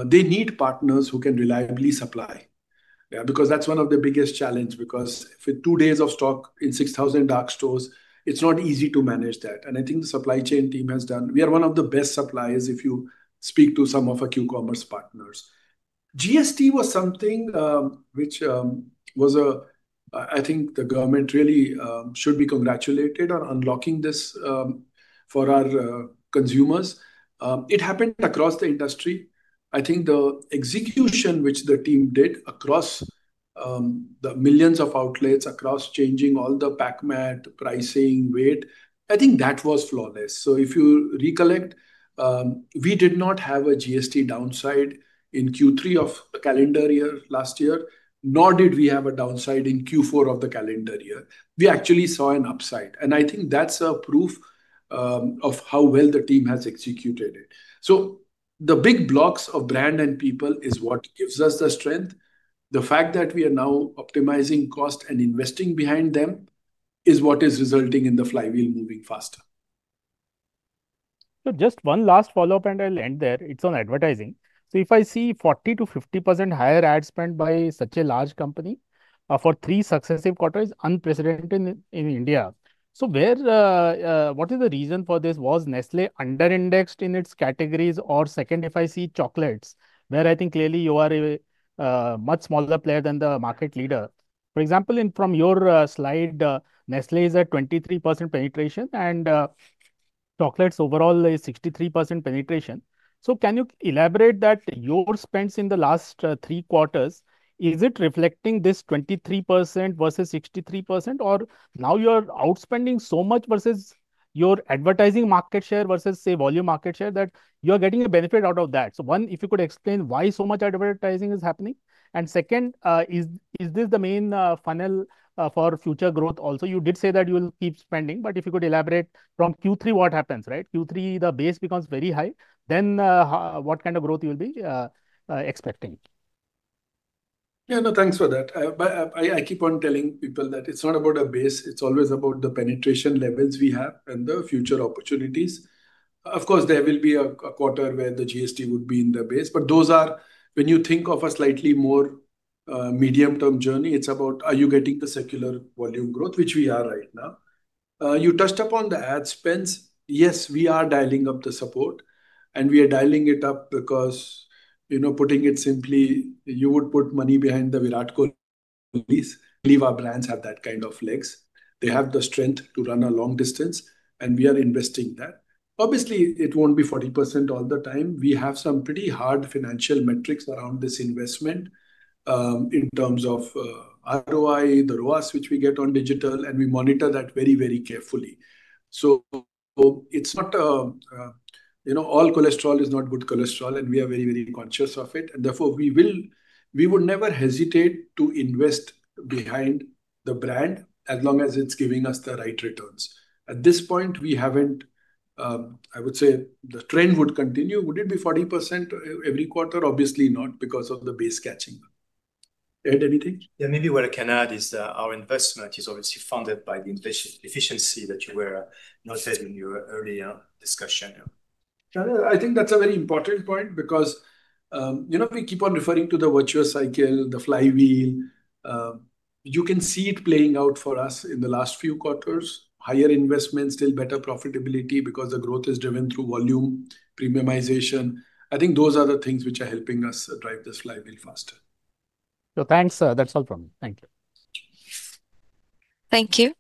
They need partners who can reliably supply because that's one of their biggest challenge, because for two days of stock in 6,000 dark stores, it's not easy to manage that. I think the supply chain team has done. We are one of the best suppliers if you speak to some of our Q-commerce partners. GST was something which was, I think the government really should be congratulated on unlocking this for our consumers. It happened across the industry. I think the execution which the team did across the millions of outlets, across changing all the pack mat, pricing, weight, I think that was flawless. If you recollect, we did not have a GST downside in Q3 of the calendar year last year, nor did we have a downside in Q4 of the calendar year. We actually saw an upside. I think that's a proof of how well the team has executed it. The big blocks of brand and people is what gives us the strength. The fact that we are now optimizing cost and investing behind them is what is resulting in the flywheel moving faster. Just one last follow-up and I'll end there. It's on advertising. If I see 40%-50% higher ad spend by such a large company for three successive quarters, unprecedented in India. What is the reason for this? Was Nestlé under-indexed in its categories? Or second, if I see chocolates, where I think clearly you are a much smaller player than the market leader. For example, from your slide, Nestlé is at 23% penetration and chocolates overall is 63% penetration. Can you elaborate that your spends in the last three quarters, is it reflecting this 23% versus 63%? Or now you're outspending so much versus your advertising market share versus, say, volume market share that you're getting a benefit out of that. One, if you could explain why so much advertising is happening. Second, is this the main funnel for future growth also? You did say that you'll keep spending, if you could elaborate from Q3, what happens, right? Q3, the base becomes very high, what kind of growth you'll be expecting? Thanks for that. I keep on telling people that it's not about a base, it's always about the penetration levels we have and the future opportunities. Of course, there will be a quarter where the GST would be in the base, those are when you think of a slightly more medium term journey, it's about are you getting the secular volume growth, which we are right now. You touched upon the ad spends. Yes, we are dialing up the support and we are dialing it up because putting it simply, you would put money behind the Virat Kohli's. We believe our brands have that kind of legs. They have the strength to run a long distance, we are investing that. Obviously, it won't be 40% all the time. We have some pretty hard financial metrics around this investment, in terms of ROI, the ROAS, which we get on digital, and we monitor that very carefully. It's not, all cholesterol is not good cholesterol, and we are very conscious of it, and therefore we would never hesitate to invest behind the brand as long as it's giving us the right returns. At this point, we haven't, I would say the trend would continue. Would it be 40% every quarter? Obviously not because of the base catching up. Ed, anything? Yeah, maybe what I can add is that our investment is obviously funded by the efficiency that you were noting in your earlier discussion. I think that's a very important point because we keep on referring to the virtuous cycle, the flywheel. You can see it playing out for us in the last few quarters, higher investments, still better profitability because the growth is driven through volume, premiumization. I think those are the things which are helping us drive this flywheel faster. Thanks. That's all from me. Thank you. Thank you.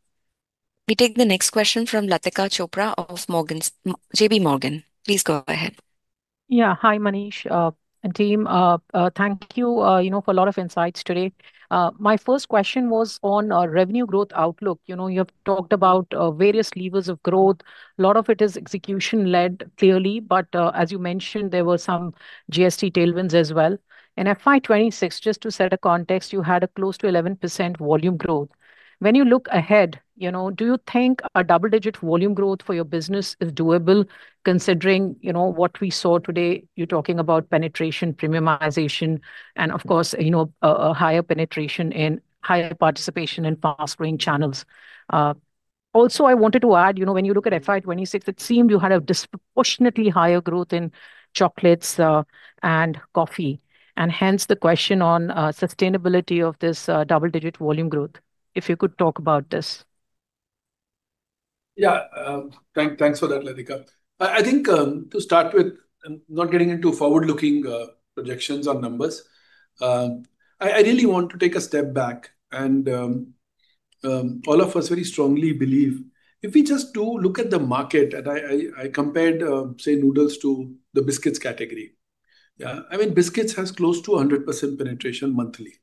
We take the next question from Latika Chopra of JPMorgan. Please go ahead. Yeah. Hi, Manish, and team. Thank you for a lot of insights today. My first question was on our revenue growth outlook. You have talked about various levers of growth. A lot of it is execution-led, clearly. As you mentioned, there were some GST tailwinds as well. In FY 2026, just to set a context, you had a close to 11% volume growth. When you look ahead, do you think a double-digit volume growth for your business is doable considering what we saw today? You're talking about penetration, premiumization, and of course, a higher penetration and higher participation in fast-growing channels. I wanted to add, when you look at FY 2026, it seemed you had a disproportionately higher growth in chocolates and coffee, and hence the question on sustainability of this double-digit volume growth, if you could talk about this. Yeah. Thanks for that, Latika. I think, to start with, not getting into forward-looking projections on numbers, I really want to take a step back and all of us very strongly believe if we just do look at the market, and I compared, say, noodles to the biscuits category. I mean, biscuits has close to 100% penetration monthly.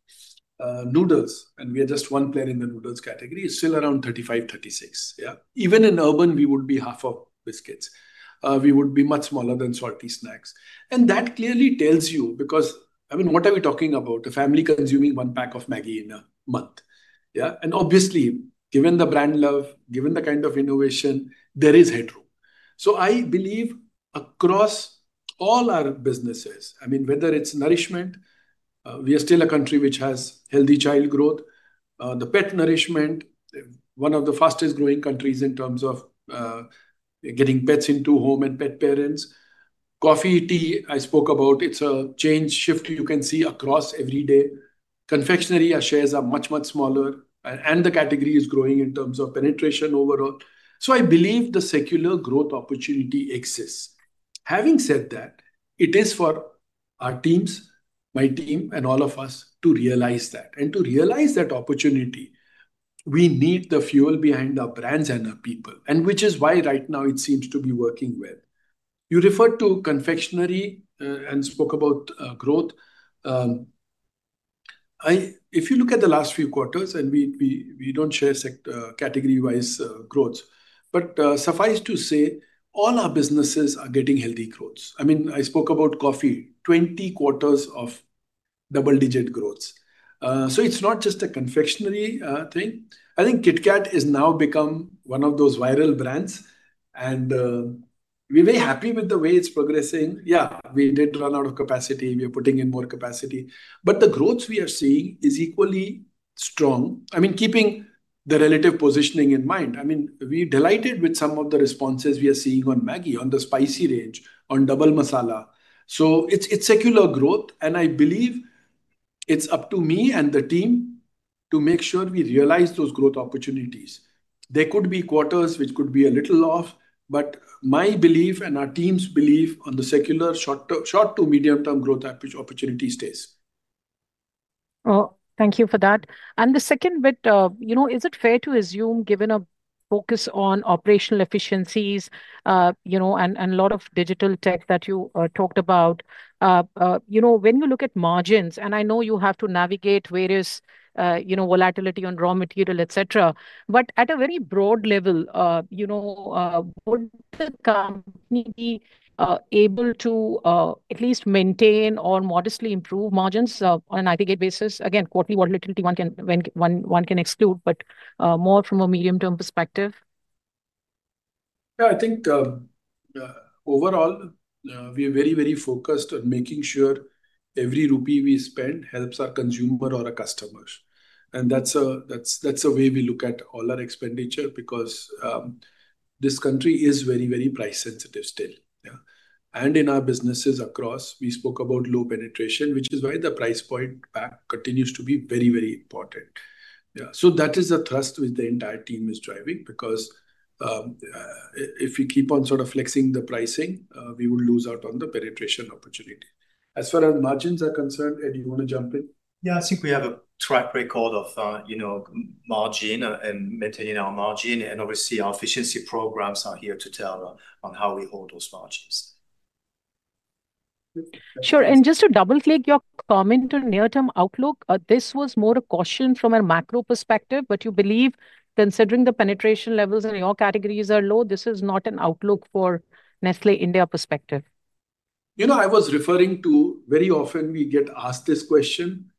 Noodles, and we are just one player in the noodles category, is still around 35, 36, yeah. Even in urban, we would be half of biscuits. We would be much smaller than salty snacks. That clearly tells you, because, I mean, what are we talking about? A family consuming one pack of Maggi in a month. Yeah. Obviously, given the brand love, given the kind of innovation, there is headroom. I believe across all our businesses, whether it's nourishment, we are still a country which has healthy child growth. The pet nourishment, one of the fastest growing countries in terms of getting pets into home and pet parents. Coffee, tea, I spoke about, it's a change shift you can see across every day. Confectionery, our shares are much, much smaller, and the category is growing in terms of penetration overall. I believe the secular growth opportunity exists. Having said that, it is for our teams, my team, and all of us to realize that. To realize that opportunity, we need the fuel behind our brands and our people, and which is why right now it seems to be working well. You referred to confectionery, and spoke about growth. If you look at the last few quarters, and we don't share category-wise growths, but suffice to say, all our businesses are getting healthy growths. I spoke about coffee, 20 quarters of double-digit growth. It's not just a confectionery thing. I think KitKat has now become one of those viral brands, and we're very happy with the way it's progressing. We did run out of capacity. We are putting in more capacity, but the growth we are seeing is equally strong. Keeping the relative positioning in mind, we're delighted with some of the responses we are seeing on Maggi, on the spicy range, on Double Masala. It's secular growth, and I believe it's up to me and the team to make sure we realize those growth opportunities. There could be quarters which could be a little off, but my belief and our team's belief on the secular, short to medium-term growth opportunity stays. Well, thank you for that. The second bit, is it fair to assume, given a focus on operational efficiencies, and a lot of digital tech that you talked about, when you look at margins, and I know you have to navigate various volatility on raw material, etc. At a very broad level, would the company be able to at least maintain or modestly improve margins on an [ADG] basis? Again, quarterly volatility, one can exclude, but more from a medium-term perspective. I think, overall, we are very focused on making sure every rupee we spend helps our consumer or our customers. That's a way we look at all our expenditure because this country is very price sensitive still. In our businesses across, we spoke about low penetration, which is why the price point back continues to be very important. That is a thrust which the entire team is driving because if we keep on sort of flexing the pricing, we will lose out on the penetration opportunity. As far as margins are concerned, Ed, you want to jump in? I think we have a track record of margin and maintaining our margin, and obviously our efficiency programs are here to tell on how we hold those margins. Just to double-click your comment on near-term outlook, this was more a caution from a macro perspective, but you believe considering the penetration levels in your categories are low, this is not an outlook for Nestlé India perspective. I was referring to very often we get asked this question.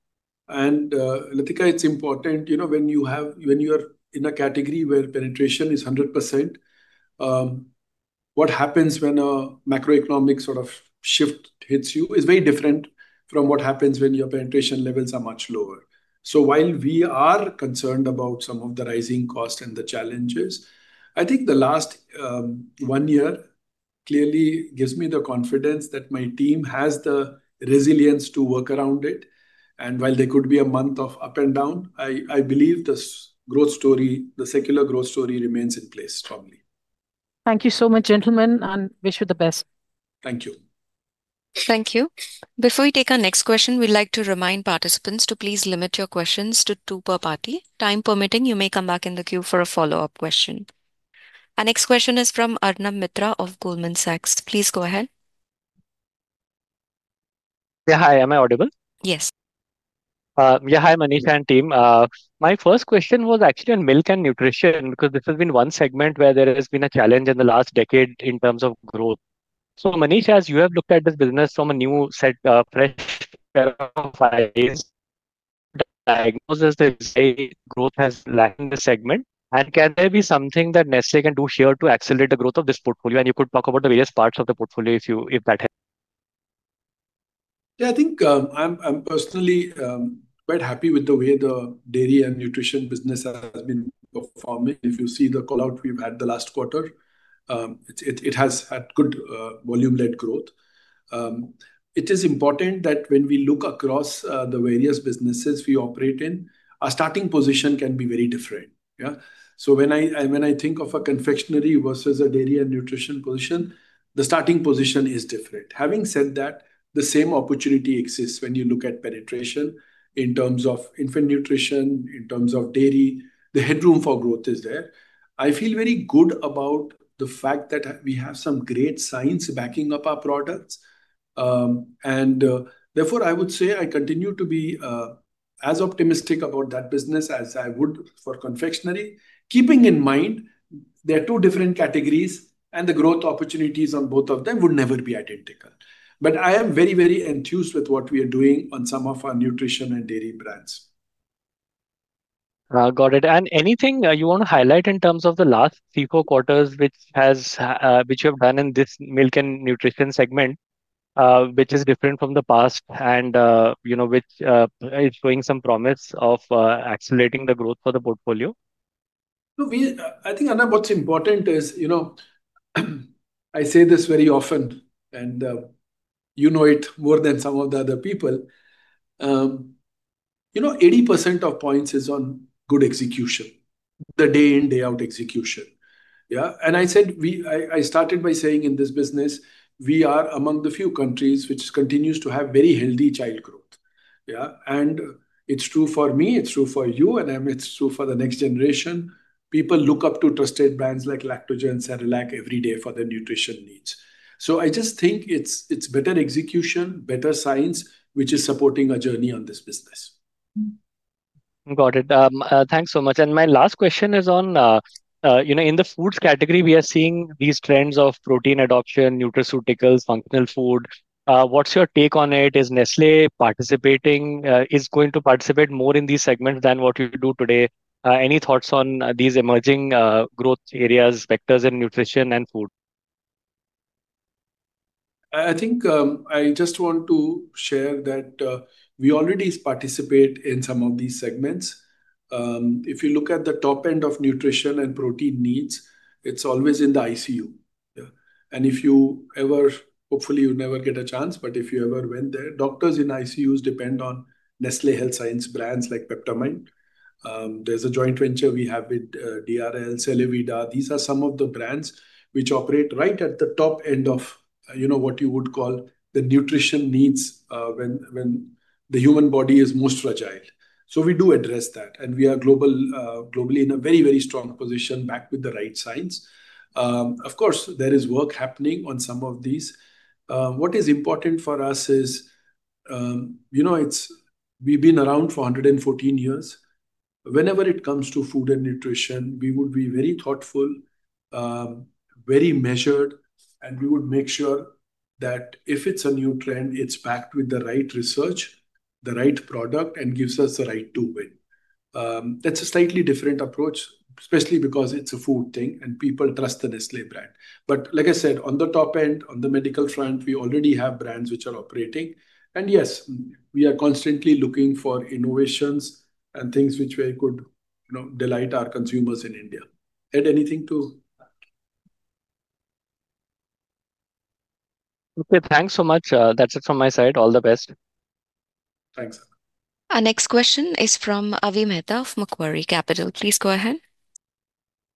Latika, it's important, when you are in a category where penetration is 100%, what happens when a macroeconomic sort of shift hits you is very different from what happens when your penetration levels are much lower. While we are concerned about some of the rising cost and the challenges, I think the last one year clearly gives me the confidence that my team has the resilience to work around it. While there could be a month of up and down, I believe the secular growth story remains in place strongly. Thank you so much, gentlemen, wish you the best. Thank you. Thank you. Before we take our next question, we would like to remind participants to please limit your questions to two per party. Time permitting, you may come back in the queue for a follow-up question. Our next question is from Arnab Mitra of Goldman Sachs. Please go ahead. Yeah. Hi, am I audible? Yes. Yeah. Hi, Manish and team. My first question was actually on Milk and Nutrition, because this has been one segment where there has been a challenge in the last decade in terms of growth. Manish, as you have looked at this business from a new set of fresh pair of eyes, the diagnosis is growth has lacked in the segment. Can there be something that Nestlé can do here to accelerate the growth of this portfolio? You could talk about the various parts of the portfolio if that helps. Yeah, I think I am personally quite happy with the way the Dairy and Nutrition business has been performing. If you see the call-out we have had the last quarter, it has had good volume-led growth. It is important that when we look across the various businesses we operate in, our starting position can be very different. Yeah? When I think of a confectionery versus a Dairy and Nutrition position, the starting position is different. Having said that, the same opportunity exists when you look at penetration in terms of infant nutrition, in terms of dairy. The headroom for growth is there. I feel very good about the fact that we have some great science backing up our products. Therefore, I would say I continue to be as optimistic about that business as I would for confectionery. Keeping in mind, they're two different categories, the growth opportunities on both of them would never be identical. I am very, very enthused with what we are doing on some of our nutrition and dairy brands. Got it. Anything you want to highlight in terms of the last three, four quarters, which you've done in this Milk and Nutrition segment, which is different from the past and which is showing some promise of accelerating the growth for the portfolio? No. I think, Arnab, what's important is, I say this very often, and you know it more than some of the other people. 80% of points is on good execution, the day in, day out execution. Yeah. I started by saying, in this business, we are among the few countries which continues to have very healthy child growth. Yeah. It's true for me, it's true for you, and it's true for the next generation. People look up to trusted brands like Lactogen and Cerelac every day for their nutrition needs. I just think it's better execution, better science, which is supporting our journey on this business. Got it. Thanks so much. My last question is on, in the foods category, we are seeing these trends of protein adoption, nutraceuticals, functional food. What's your take on it? Is Nestlé participating, is going to participate more in these segments than what you do today? Any thoughts on these emerging growth areas, vectors, and nutrition and food? I just want to share that we already participate in some of these segments. If you look at the top end of nutrition and protein needs, it's always in the ICU. If you ever, hopefully you never get a chance, but if you ever went there, doctors in ICUs depend on Nestlé Health Science brands like Peptamen. There's a joint venture we have with DRL, Celevida. These are some of the brands which operate right at the top end of what you would call the nutrition needs when the human body is most fragile. We do address that, and we are globally in a very, very strong position, backed with the right science. Of course, there is work happening on some of these. What is important for us is, we've been around for 114 years. Whenever it comes to food and nutrition, we would be very thoughtful, very measured, and we would make sure that if it's a new trend, it's backed with the right research, the right product, and gives us the right to win. That's a slightly different approach, especially because it's a food thing and people trust the Nestlé brand. Like I said, on the top end, on the medical front, we already have brands which are operating. Yes, we are constantly looking for innovations and things which way could delight our consumers in India. Ed, anything to- Thanks so much. That's it from my side. All the best. Thanks. Our next question is from Avi Mehta of Macquarie Capital. Please go ahead.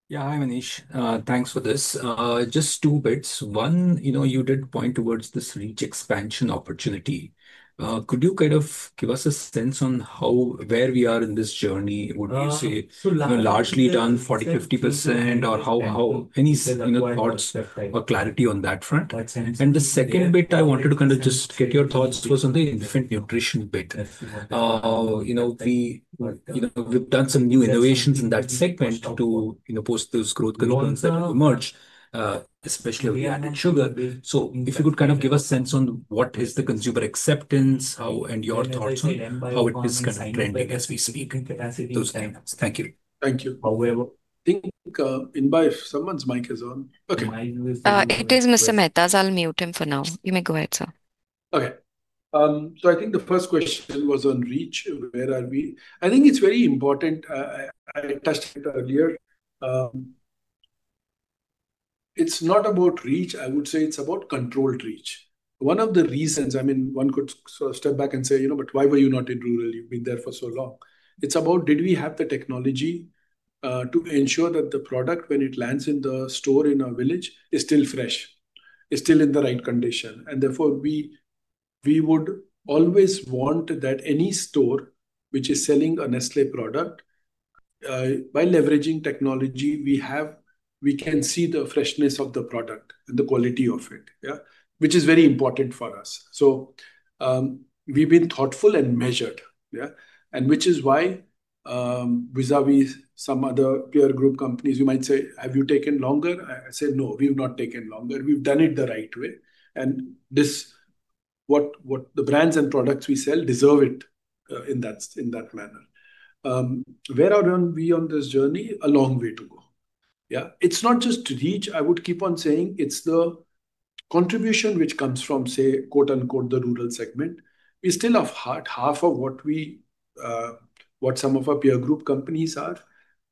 Yeah. Hi, Manish. Thanks for this. Just two bits. You did point towards this reach expansion opportunity. Could you kind of give us a sense on where we are in this journey? Would you say largely done 40%, 50%, or how any thoughts or clarity on that front? The second bit I wanted to kind of just get your thoughts was on the infant nutrition bit. We've done some new innovations in that segment to post those growth concerns that have emerged, especially around sugar. If you could kind of give a sense on what is the consumer acceptance, how, and your thoughts on how it is kind of trending as we speak. Those things. Thank you. Thank you. I think, Inba, someone's mic is on. Okay. It is Mr. Mehta's. I'll mute him for now. You may go ahead, sir. I think the first question was on reach, where are we? I think it's very important, I touched it earlier. It's not about reach, I would say it's about controlled reach. One of the reasons, one could step back and say, "Why were you not in rural? You've been there for so long." It's about did we have the technology to ensure that the product, when it lands in the store in our village, is still fresh, is still in the right condition. Therefore, we would always want that any store which is selling a Nestlé product, by leveraging technology we have, we can see the freshness of the product and the quality of it. Which is very important for us. We've been thoughtful and measured. Which is why, vis-à-vis some other peer group companies, you might say, "Have you taken longer?" I say, "No, we've not taken longer. We've done it the right way." The brands and products we sell deserve it in that manner. Where are we on this journey? A long way to go. It's not just reach. I would keep on saying, it's the contribution which comes from, say, quote unquote, the rural segment, is still half of what some of our peer group companies are.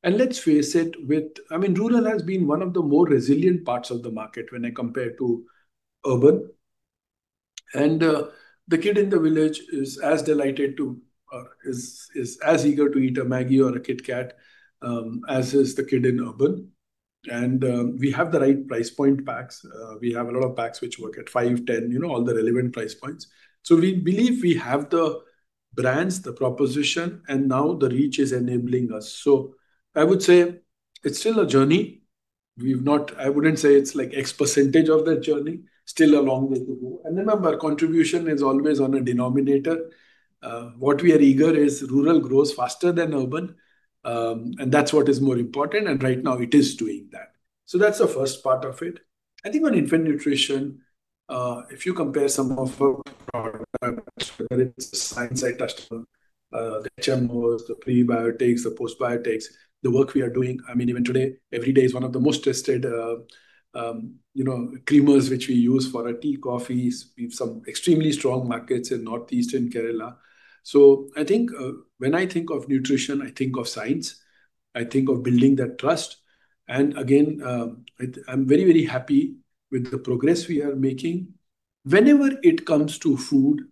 Let's face it, rural has been one of the more resilient parts of the market when I compare to urban. The kid in the village is as delighted to or is as eager to eat a Maggi or a KitKat as is the kid in urban. We have the right price point packs. We have a lot of packs which work at five, 10, all the relevant price points. We believe we have the brands, the proposition, and now the reach is enabling us. I would say it's still a journey. I wouldn't say it's X% of that journey, still a long way to go. Remember, contribution is always on a denominator. What we are eager is rural grows faster than urban, and that's what is more important. Right now it is doing that. That's the first part of it. I think on infant nutrition, if you compare some of our products, whether it is the science I touched on, the HMOs, the prebiotics, the postbiotics, the work we are doing, even today, EVERYDAY is one of the most tested creamers which we use for our tea, coffees. We have some extremely strong markets in Northeastern Kerala. When I think of nutrition, I think of science. I think of building that trust. Again, I'm very happy with the progress we are making. Whenever it comes to food,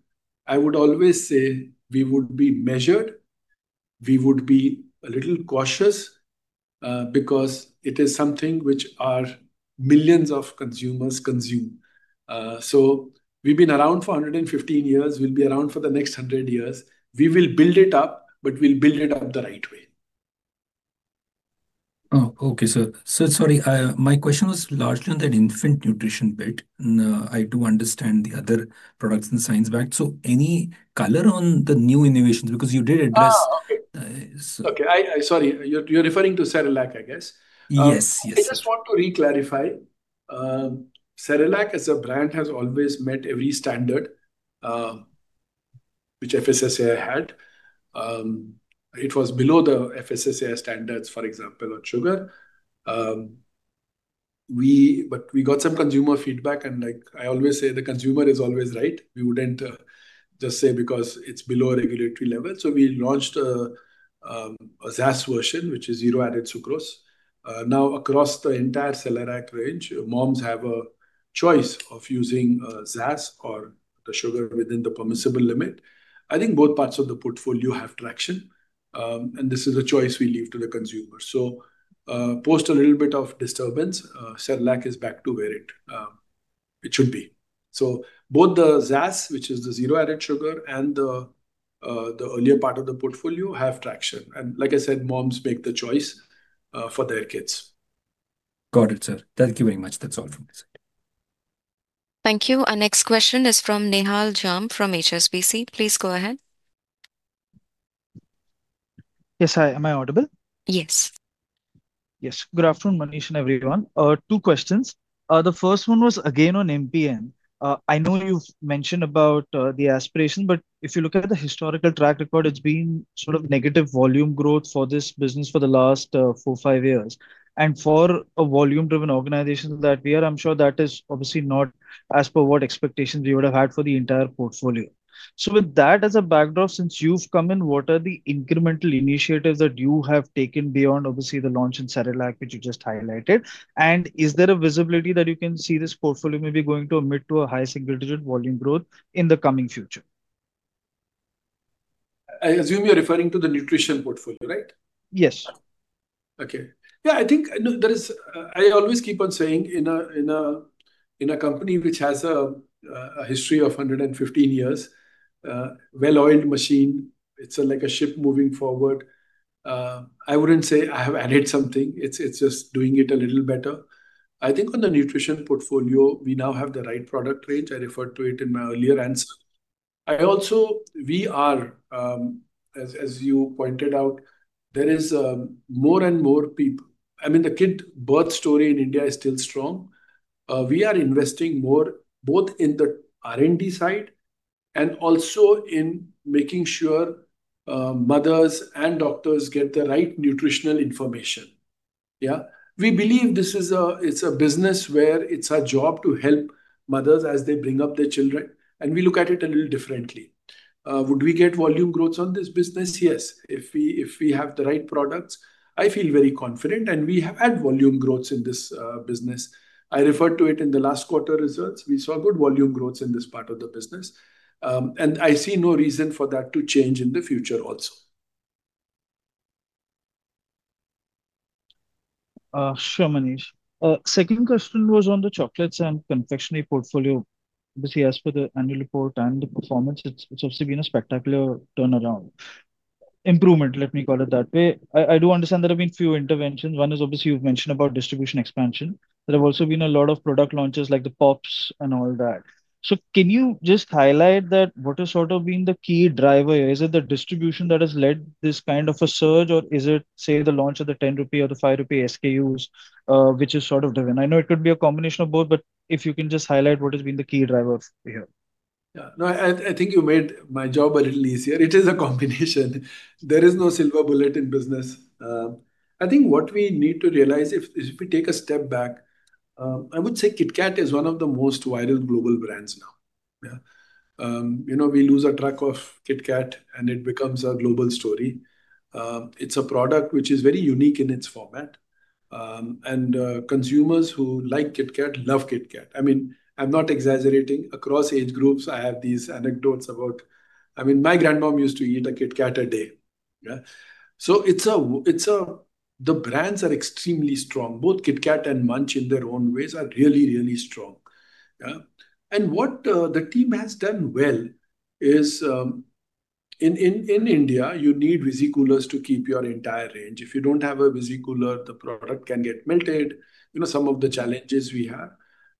I would always say we would be measured, we would be a little cautious, because it is something which our millions of consumers consume. We've been around for 115 years. We'll be around for the next 100 years. We will build it up, but we'll build it up the right way. Okay, sir. Sorry, my question was largely on that infant nutrition bit. I do understand the other products and science behind. Any color on the new innovations because you did address. Okay. Sorry, you're referring to Cerelac, I guess. Yes. I just want to re-clarify. Cerelac, as a brand, has always met every standard which FSSAI had. It was below the FSSAI standards, for example, on sugar. We got some consumer feedback, and like I always say, the consumer is always right. We wouldn't just say because it's below regulatory level. We launched a ZAS version, which is zero added sucrose. Now across the entire Cerelac range, moms have a choice of using ZAS or the sugar within the permissible limit. I think both parts of the portfolio have traction, and this is a choice we leave to the consumer. Post a little bit of disturbance, Cerelac is back to where it should be. Both the ZAS, which is the zero added sugar, and the earlier part of the portfolio have traction. Like I said, moms make the choice for their kids. Got it, sir. Thank you very much. That's all from this end. Thank you. Our next question is from Nihal Jham from HSBC. Please go ahead. Yes. Hi. Am I audible? Yes. Yes. Good afternoon, Manish and everyone. Two questions. The first one was again on MPN. I know you've mentioned about the aspiration, but if you look at the historical track record, it's been sort of negative volume growth for this business for the last four, five years. For a volume-driven organization like we are, I'm sure that is obviously not as per what expectations we would have had for the entire portfolio. With that as a backdrop, since you've come in, what are the incremental initiatives that you have taken beyond obviously the launch in Cerelac, which you just highlighted? Is there a visibility that you can see this portfolio maybe going to a mid to a high single-digit volume growth in the coming future? I assume you're referring to the nutrition portfolio, right? Yes. Okay. I always keep on saying, in a company which has a history of 115 years, well-oiled machine, it's like a ship moving forward. I wouldn't say I have added something. It's just doing it a little better. I think on the nutrition portfolio, we now have the right product range. I referred to it in my earlier answer. As you pointed out, the kid birth story in India is still strong. We are investing more both in the R&D side and also in making sure mothers and doctors get the right nutritional information. Yeah. We believe this is a business where it's our job to help mothers as they bring up their children, and we look at it a little differently. Would we get volume growth on this business? Yes. If we have the right products, I feel very confident, and we have had volume growth in this business. I referred to it in the last quarter results. We saw good volume growth in this part of the business, I see no reason for that to change in the future also. Sure, Manish. Second question was on the chocolates and confectionery portfolio. Obviously, as per the annual report and the performance, it's obviously been a spectacular turnaround. Improvement, let me call it that way. I do understand there have been a few interventions. One is obviously you've mentioned about distribution expansion. There have also been a lot of product launches, like the pops and all that. Can you just highlight that what has sort of been the key driver? Is it the distribution that has led this kind of a surge, or is it, say, the launch of the 10 rupee or the 5 rupee SKUs, which is sort of driven? I know it could be a combination of both, but if you can just highlight what has been the key driver here. Yeah. No, I think you made my job a little easier. It is a combination. There is no silver bullet in business. I think what we need to realize, if we take a step back, I would say KitKat is one of the most valued global brands now. Yeah. We lose our track of KitKat and it becomes a global story. It's a product which is very unique in its format. Consumers who like KitKat love KitKat. I'm not exaggerating. Across age groups, I have these anecdotes about my grandmom used to eat a KitKat a day. Yeah. The brands are extremely strong. Both KitKat and Munch in their own ways are really, really strong. Yeah. What the team has done well is, in India, you need Visi Coolers to keep your entire range. If you don't have a Visi Cooler, the product can get melted. Some of the challenges we have.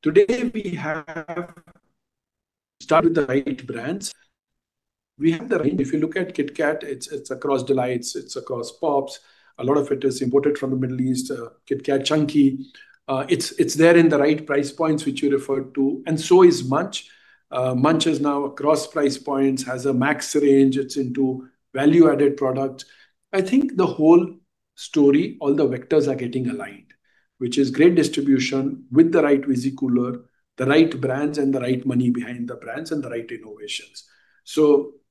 Today, we have started the right brands. If you look at KitKat, it's across delights, it's across pops. A lot of it is imported from the Middle East, KitKat Chunky. It's there in the right price points, which you referred to, and so is Munch. Munch is now across price points, has a max range. It's into value-added products. I think the whole story, all the vectors are getting aligned. Which is great distribution with the right Visi Cooler, the right brands, and the right money behind the brands, and the right innovations.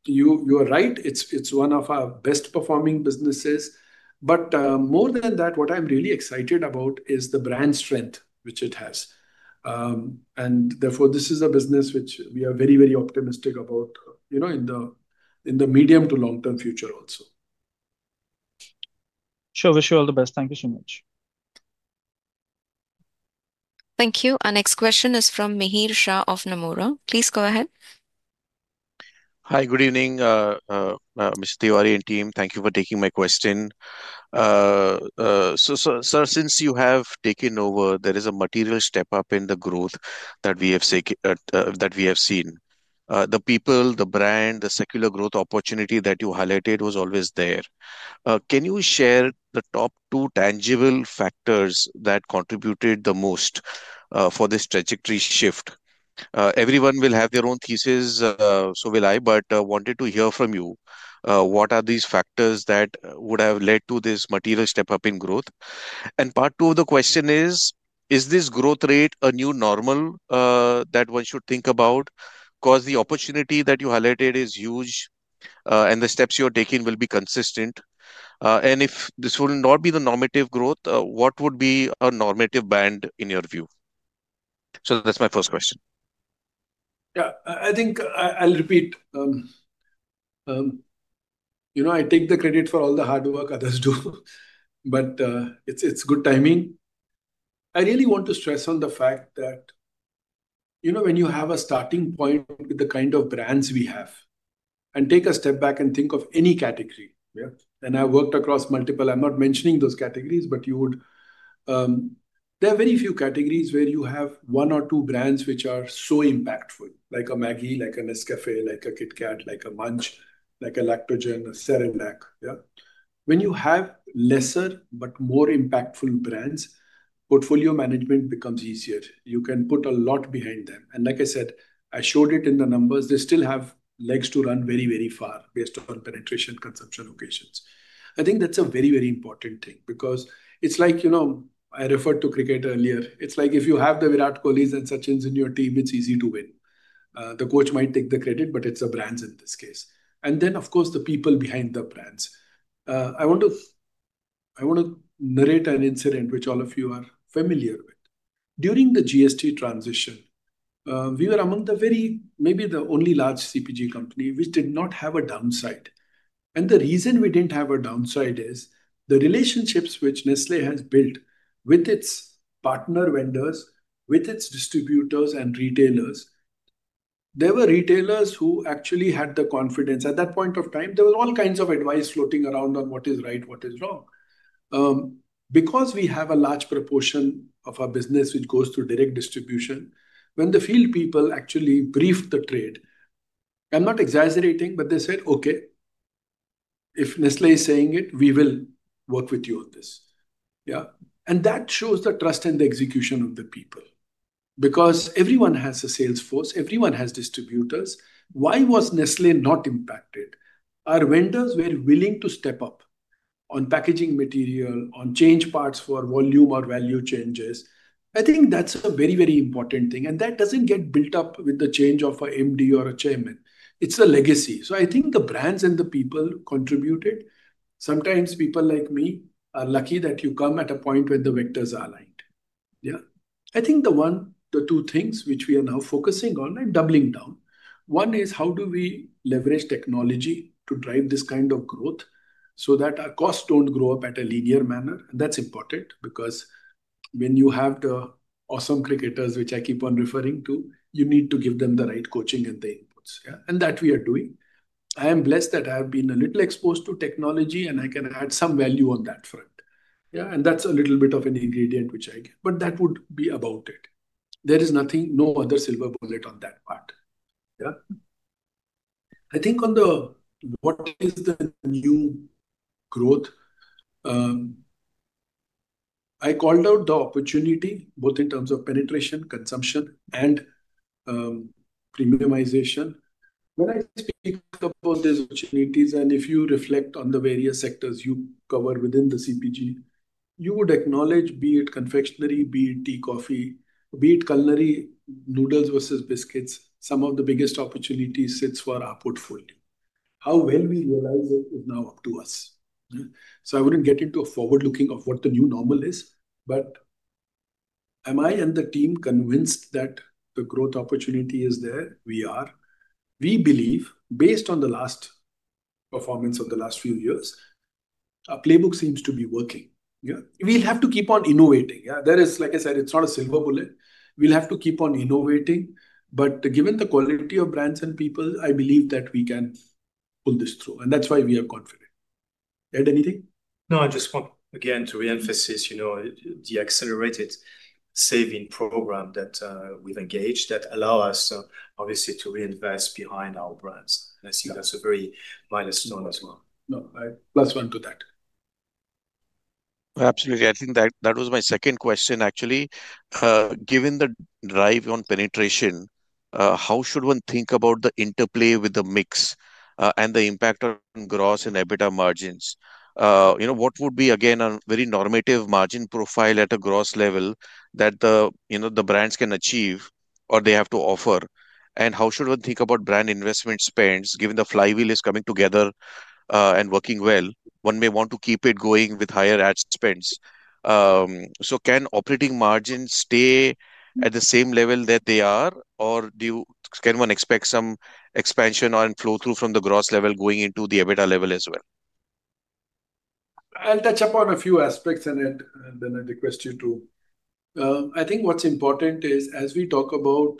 You are right, it's one of our best performing businesses. More than that, what I'm really excited about is the brand strength which it has. Therefore, this is a business which we are very optimistic about in the medium to long-term future also. Sure. Wish you all the best. Thank you so much. Thank you. Our next question is from Mihir Shah of Nomura. Please go ahead. Hi. Good evening, Mr. Tiwary and team. Thank you for taking my question. Sir, since you have taken over, there is a material step-up in the growth that we have seen. The people, the brand, the secular growth opportunity that you highlighted was always there. Can you share the top two tangible factors that contributed the most for this trajectory shift? Everyone will have their own thesis, so will I, but I wanted to hear from you, what are these factors that would have led to this material step-up in growth? Part two of the question is: Is this growth rate a new normal that one should think about? The opportunity that you highlighted is huge, and the steps you're taking will be consistent. If this will not be the normative growth, what would be a normative band in your view? That's my first question. I think I'll repeat. I take the credit for all the hard work others do, but it's good timing. I really want to stress on the fact that when you have a starting point with the kind of brands we have, take a step back and think of any category. I've worked across multiple. I'm not mentioning those categories. There are very few categories where you have one or two brands which are so impactful, like a Maggi, like a Nescafé, like a KitKat, like a Munch, like a Lactogen, a Cerelac. When you have lesser but more impactful brands, portfolio management becomes easier. You can put a lot behind them. Like I said, I showed it in the numbers. They still have legs to run very far, based on penetration consumption locations. I think that's a very important thing. I referred to cricket earlier. It's like if you have the Virat Kohli's and Sachin's in your team, it's easy to win. The coach might take the credit, but it's the brands in this case. Then, of course, the people behind the brands. I want to narrate an incident which all of you are familiar with. During the GST transition, we were among maybe the only large CPG company which did not have a downside. The reason we didn't have a downside is the relationships which Nestlé has built with its partner vendors, with its distributors and retailers. There were retailers who actually had the confidence. At that point of time, there were all kinds of advice floating around on what is right, what is wrong. We have a large proportion of our business which goes through direct distribution, when the field people actually briefed the trade, I'm not exaggerating, but they said, "Okay. If Nestlé is saying it, we will work with you on this." Yeah. That shows the trust and the execution of the people. Everyone has a sales force, everyone has distributors. Why was Nestlé not impacted? Our vendors were willing to step up on packaging material, on change parts for volume or value changes. I think that's a very important thing, and that doesn't get built up with the change of a MD or a chairman. It's a legacy. I think the brands and the people contributed. Sometimes people like me are lucky that you come at a point where the vectors are aligned. Yeah. I think the two things which we are now focusing on and doubling down. One is how do we leverage technology to drive this kind of growth so that our costs don't grow up at a linear manner? That's important because when you have the awesome cricketers, which I keep on referring to, you need to give them the right coaching and the inputs. Yeah. That we are doing. I am blessed that I have been a little exposed to technology, and I can add some value on that front. Yeah, that's a little bit of an ingredient which I get. But that would be about it. There is nothing, no other silver bullet on that part. Yeah. I think on the what is the new growth, I called out the opportunity both in terms of penetration, consumption, and premiumization. When I speak about these opportunities, and if you reflect on the various sectors you cover within the CPG, you would acknowledge, be it confectionery, be it tea, coffee, be it culinary, noodles versus biscuits, some of the biggest opportunities sits for our portfolio. How well we realize it is now up to us. I wouldn't get into a forward-looking of what the new normal is, but am I and the team convinced that the growth opportunity is there? We are. We believe, based on the last performance of the last few years, our playbook seems to be working. Yeah. We'll have to keep on innovating. Yeah. Like I said, it's not a silver bullet. We'll have to keep on innovating. Given the quality of brands and people, I believe that we can pull this through, and that's why we are confident. Ed, anything? No, I just want again to re-emphasize the accelerated saving program that we've engaged that allows us obviously to reinvest behind our brands. I see that's a very minus as well. No. +1 to that. Absolutely. I think that was my second question, actually. Given the drive on penetration, how should one think about the interplay with the mix and the impact on gross and EBITDA margins? What would be again a very normative margin profile at a gross level that the brands can achieve or they have to offer? How should one think about brand investment spends, given the flywheel is coming together and working well? One may want to keep it going with higher ad spends. Can operating margins stay at the same level that they are, or can one expect some expansion on flow through from the gross level going into the EBITDA level as well? I'll touch upon a few aspects and then I think what's important is, as we talk about,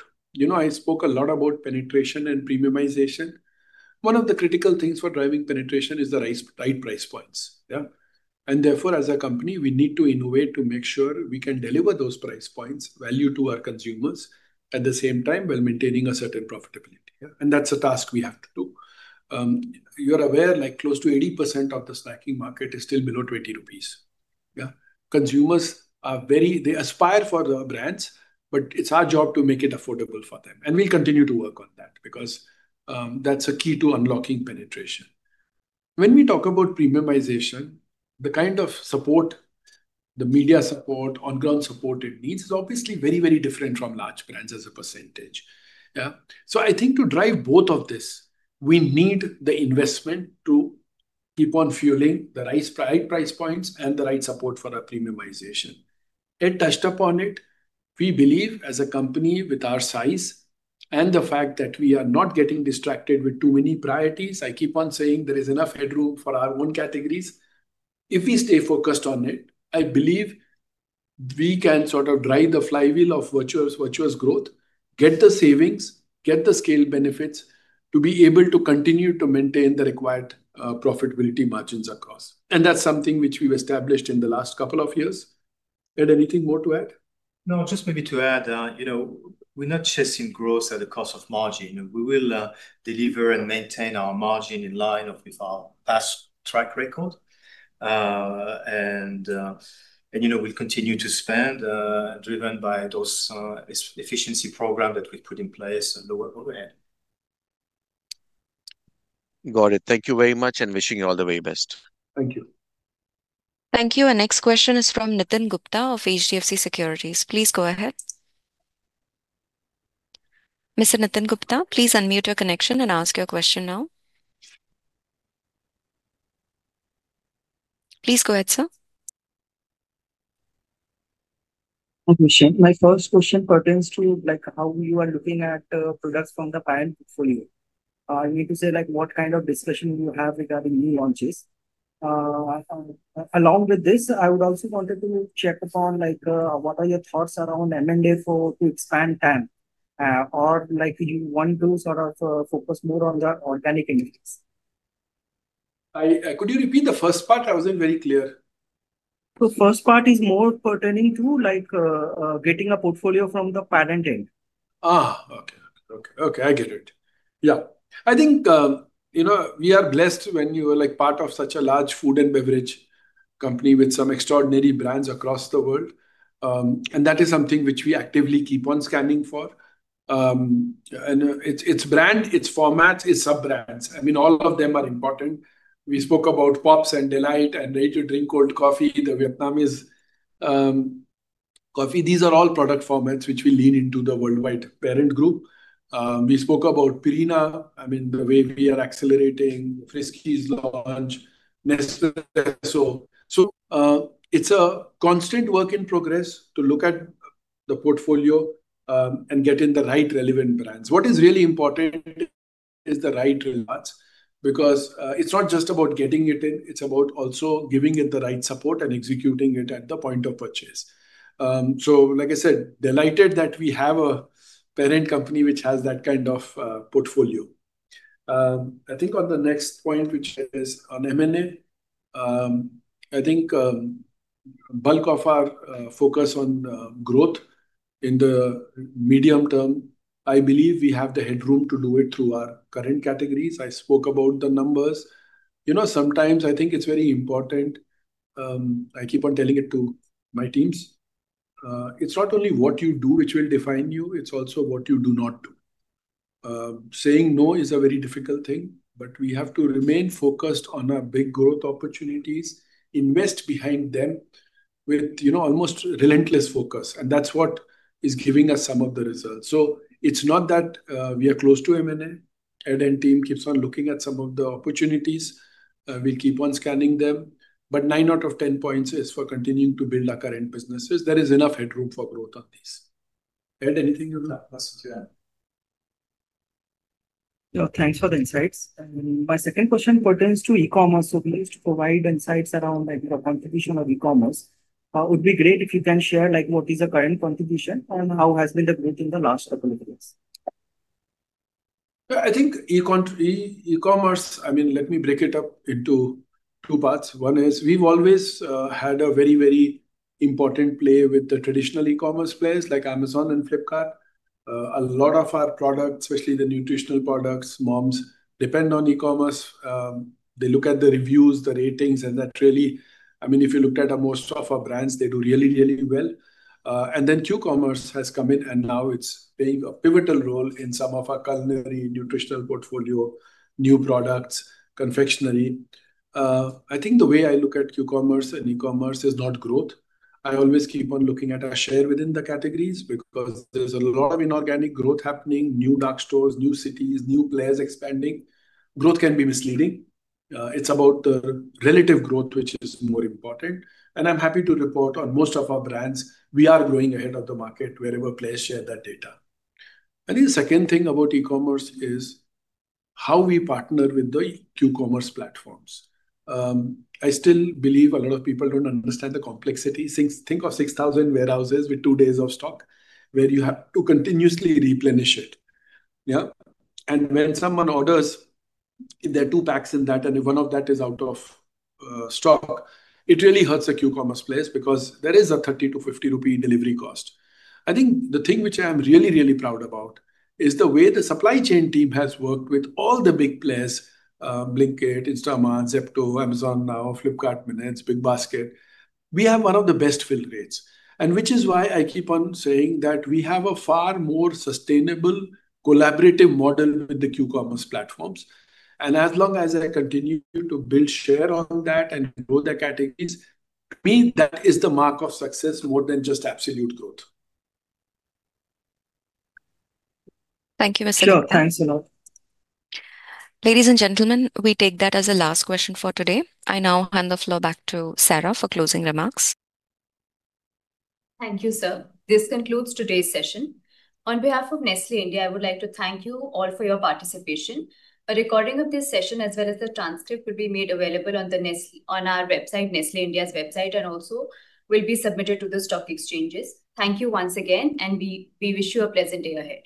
I spoke a lot about penetration and premiumization. One of the critical things for driving penetration is the right price points. Yeah. Therefore, as a company, we need to innovate to make sure we can deliver those price points' value to our consumers, at the same time, while maintaining a certain profitability. Yeah. That's a task we have to do. You're aware close to 80% of the snacking market is still below 20 rupees. Yeah. Consumers, they aspire for the brands, but it's our job to make it affordable for them. We'll continue to work on that because that's a key to unlocking penetration. When we talk about premiumization, the kind of support, the media support, on-ground support it needs is obviously very different from large brands as a percentage. Yeah. I think to drive both of these, we need the investment to keep on fueling the right price points and the right support for our premiumization. Ed touched upon it. We believe as a company with our size and the fact that we are not getting distracted with too many priorities, I keep on saying there is enough headroom for our own categories. If we stay focused on it, I believe we can sort of drive the flywheel of virtuous growth, get the savings, get the scale benefits to be able to continue to maintain the required profitability margins across. That's something which we've established in the last couple of years. Ed, anything more to add? No, just maybe to add, we're not chasing growth at the cost of margin. We will deliver and maintain our margin in line with our past track record. We'll continue to spend, driven by those efficiency program that we put in place and lower overhead. Got it. Thank you very much, and wishing you all the way best. Thank you. Thank you. Our next question is from Nitin Gupta of HDFC Securities. Please go ahead. Mr. Nitin Gupta, please unmute your connection and ask your question now. Please go ahead, sir. Thank you. Manish, my first question pertains to how you are looking at products from the PAN portfolio. I need to say, what kind of discussion do you have regarding new launches? Along with this, I would also wanted to check upon what are your thoughts around M&A to expand TAM? Do you want to sort of focus more on the organic initiatives? Could you repeat the first part? I wasn't very clear. The first part is more pertaining to getting a portfolio from the parent end. Okay. I get it. Yeah. I think we are blessed when you are part of such a large food and beverage company with some extraordinary brands across the world, and that is something which we actively keep on scanning for. Its brand, its formats, its sub-brands, all of them are important. We spoke about Pops and Delight and ready-to-drink cold coffee, the Vietnamese coffee. These are all product formats which will lean into the worldwide parent group. We spoke about Purina, the way we are accelerating Friskies launch, Nespresso. It's a constant work in progress to look at the portfolio and get in the right relevant brands. What is really important is the right relevance, because it's not just about getting it in, it's about also giving it the right support and executing it at the point of purchase. Like I said, delighted that we have a parent company which has that kind of portfolio. I think on the next point, which is on M&A, I think bulk of our focus on growth in the medium term, I believe we have the headroom to do it through our current categories. I spoke about the numbers. Sometimes I think it's very important, I keep on telling it to my teams, it's not only what you do which will define you, it's also what you do not do. Saying no is a very difficult thing, we have to remain focused on our big growth opportunities, invest behind them with almost relentless focus, that's what is giving us some of the results. It's not that we are close to M&A. Ed and team keeps on looking at some of the opportunities. We'll keep on scanning them. Nine out of 10 points is for continuing to build our current businesses. There is enough headroom for growth on this. Ed, anything you'd like to add? Thanks for the insights. My second question pertains to e-commerce. Please provide insights around the contribution of e-commerce. Would be great if you can share what is the current contribution and how has been the growth in the last couple of years. I think e-commerce, let me break it up into two parts. One is we've always had a very important play with the traditional e-commerce players like Amazon and Flipkart. A lot of our products, especially the nutritional products, moms depend on e-commerce. They look at the reviews, the ratings, and that really, if you looked at most of our brands, they do really well. Q-commerce has come in, and now it's playing a pivotal role in some of our culinary, nutritional portfolio, new products, confectionery. I think the way I look at Q-commerce and e-commerce is not growth. I always keep on looking at our share within the categories because there's a lot of inorganic growth happening, new dark stores, new cities, new players expanding. Growth can be misleading. It's about the relative growth, which is more important. I'm happy to report on most of our brands, we are growing ahead of the market wherever players share that data. I think the second thing about e-commerce is how we partner with the Q-commerce platforms. I still believe a lot of people don't understand the complexity. Think of 6,000 warehouses with two days of stock where you have to continuously replenish it. Yeah? When someone orders, there are two packs in that, and if one of that is out of stock, it really hurts the q-commerce players because there is an 30-50 rupee delivery cost. I think the thing which I'm really proud about is the way the supply chain team has worked with all the big players, Blinkit, Instamart, Zepto, Amazon Now, Flipkart, BigBasket. We have one of the best fill rates. Which is why I keep on saying that we have a far more sustainable collaborative model with the q-commerce platforms. As long as I continue to build share on that and grow the categories, to me that is the mark of success more than just absolute growth. Thank you, Mr. Nitin. Sure. Thanks a lot. Ladies and gentlemen, we take that as the last question for today. I now hand the floor back to Sarah for closing remarks. Thank you, sir. This concludes today's session. On behalf of Nestlé India, I would like to thank you all for your participation. A recording of this session, as well as the transcript, will be made available on our website, Nestlé India's website, and also will be submitted to the stock exchanges. Thank you once again, and we wish you a pleasant day ahead.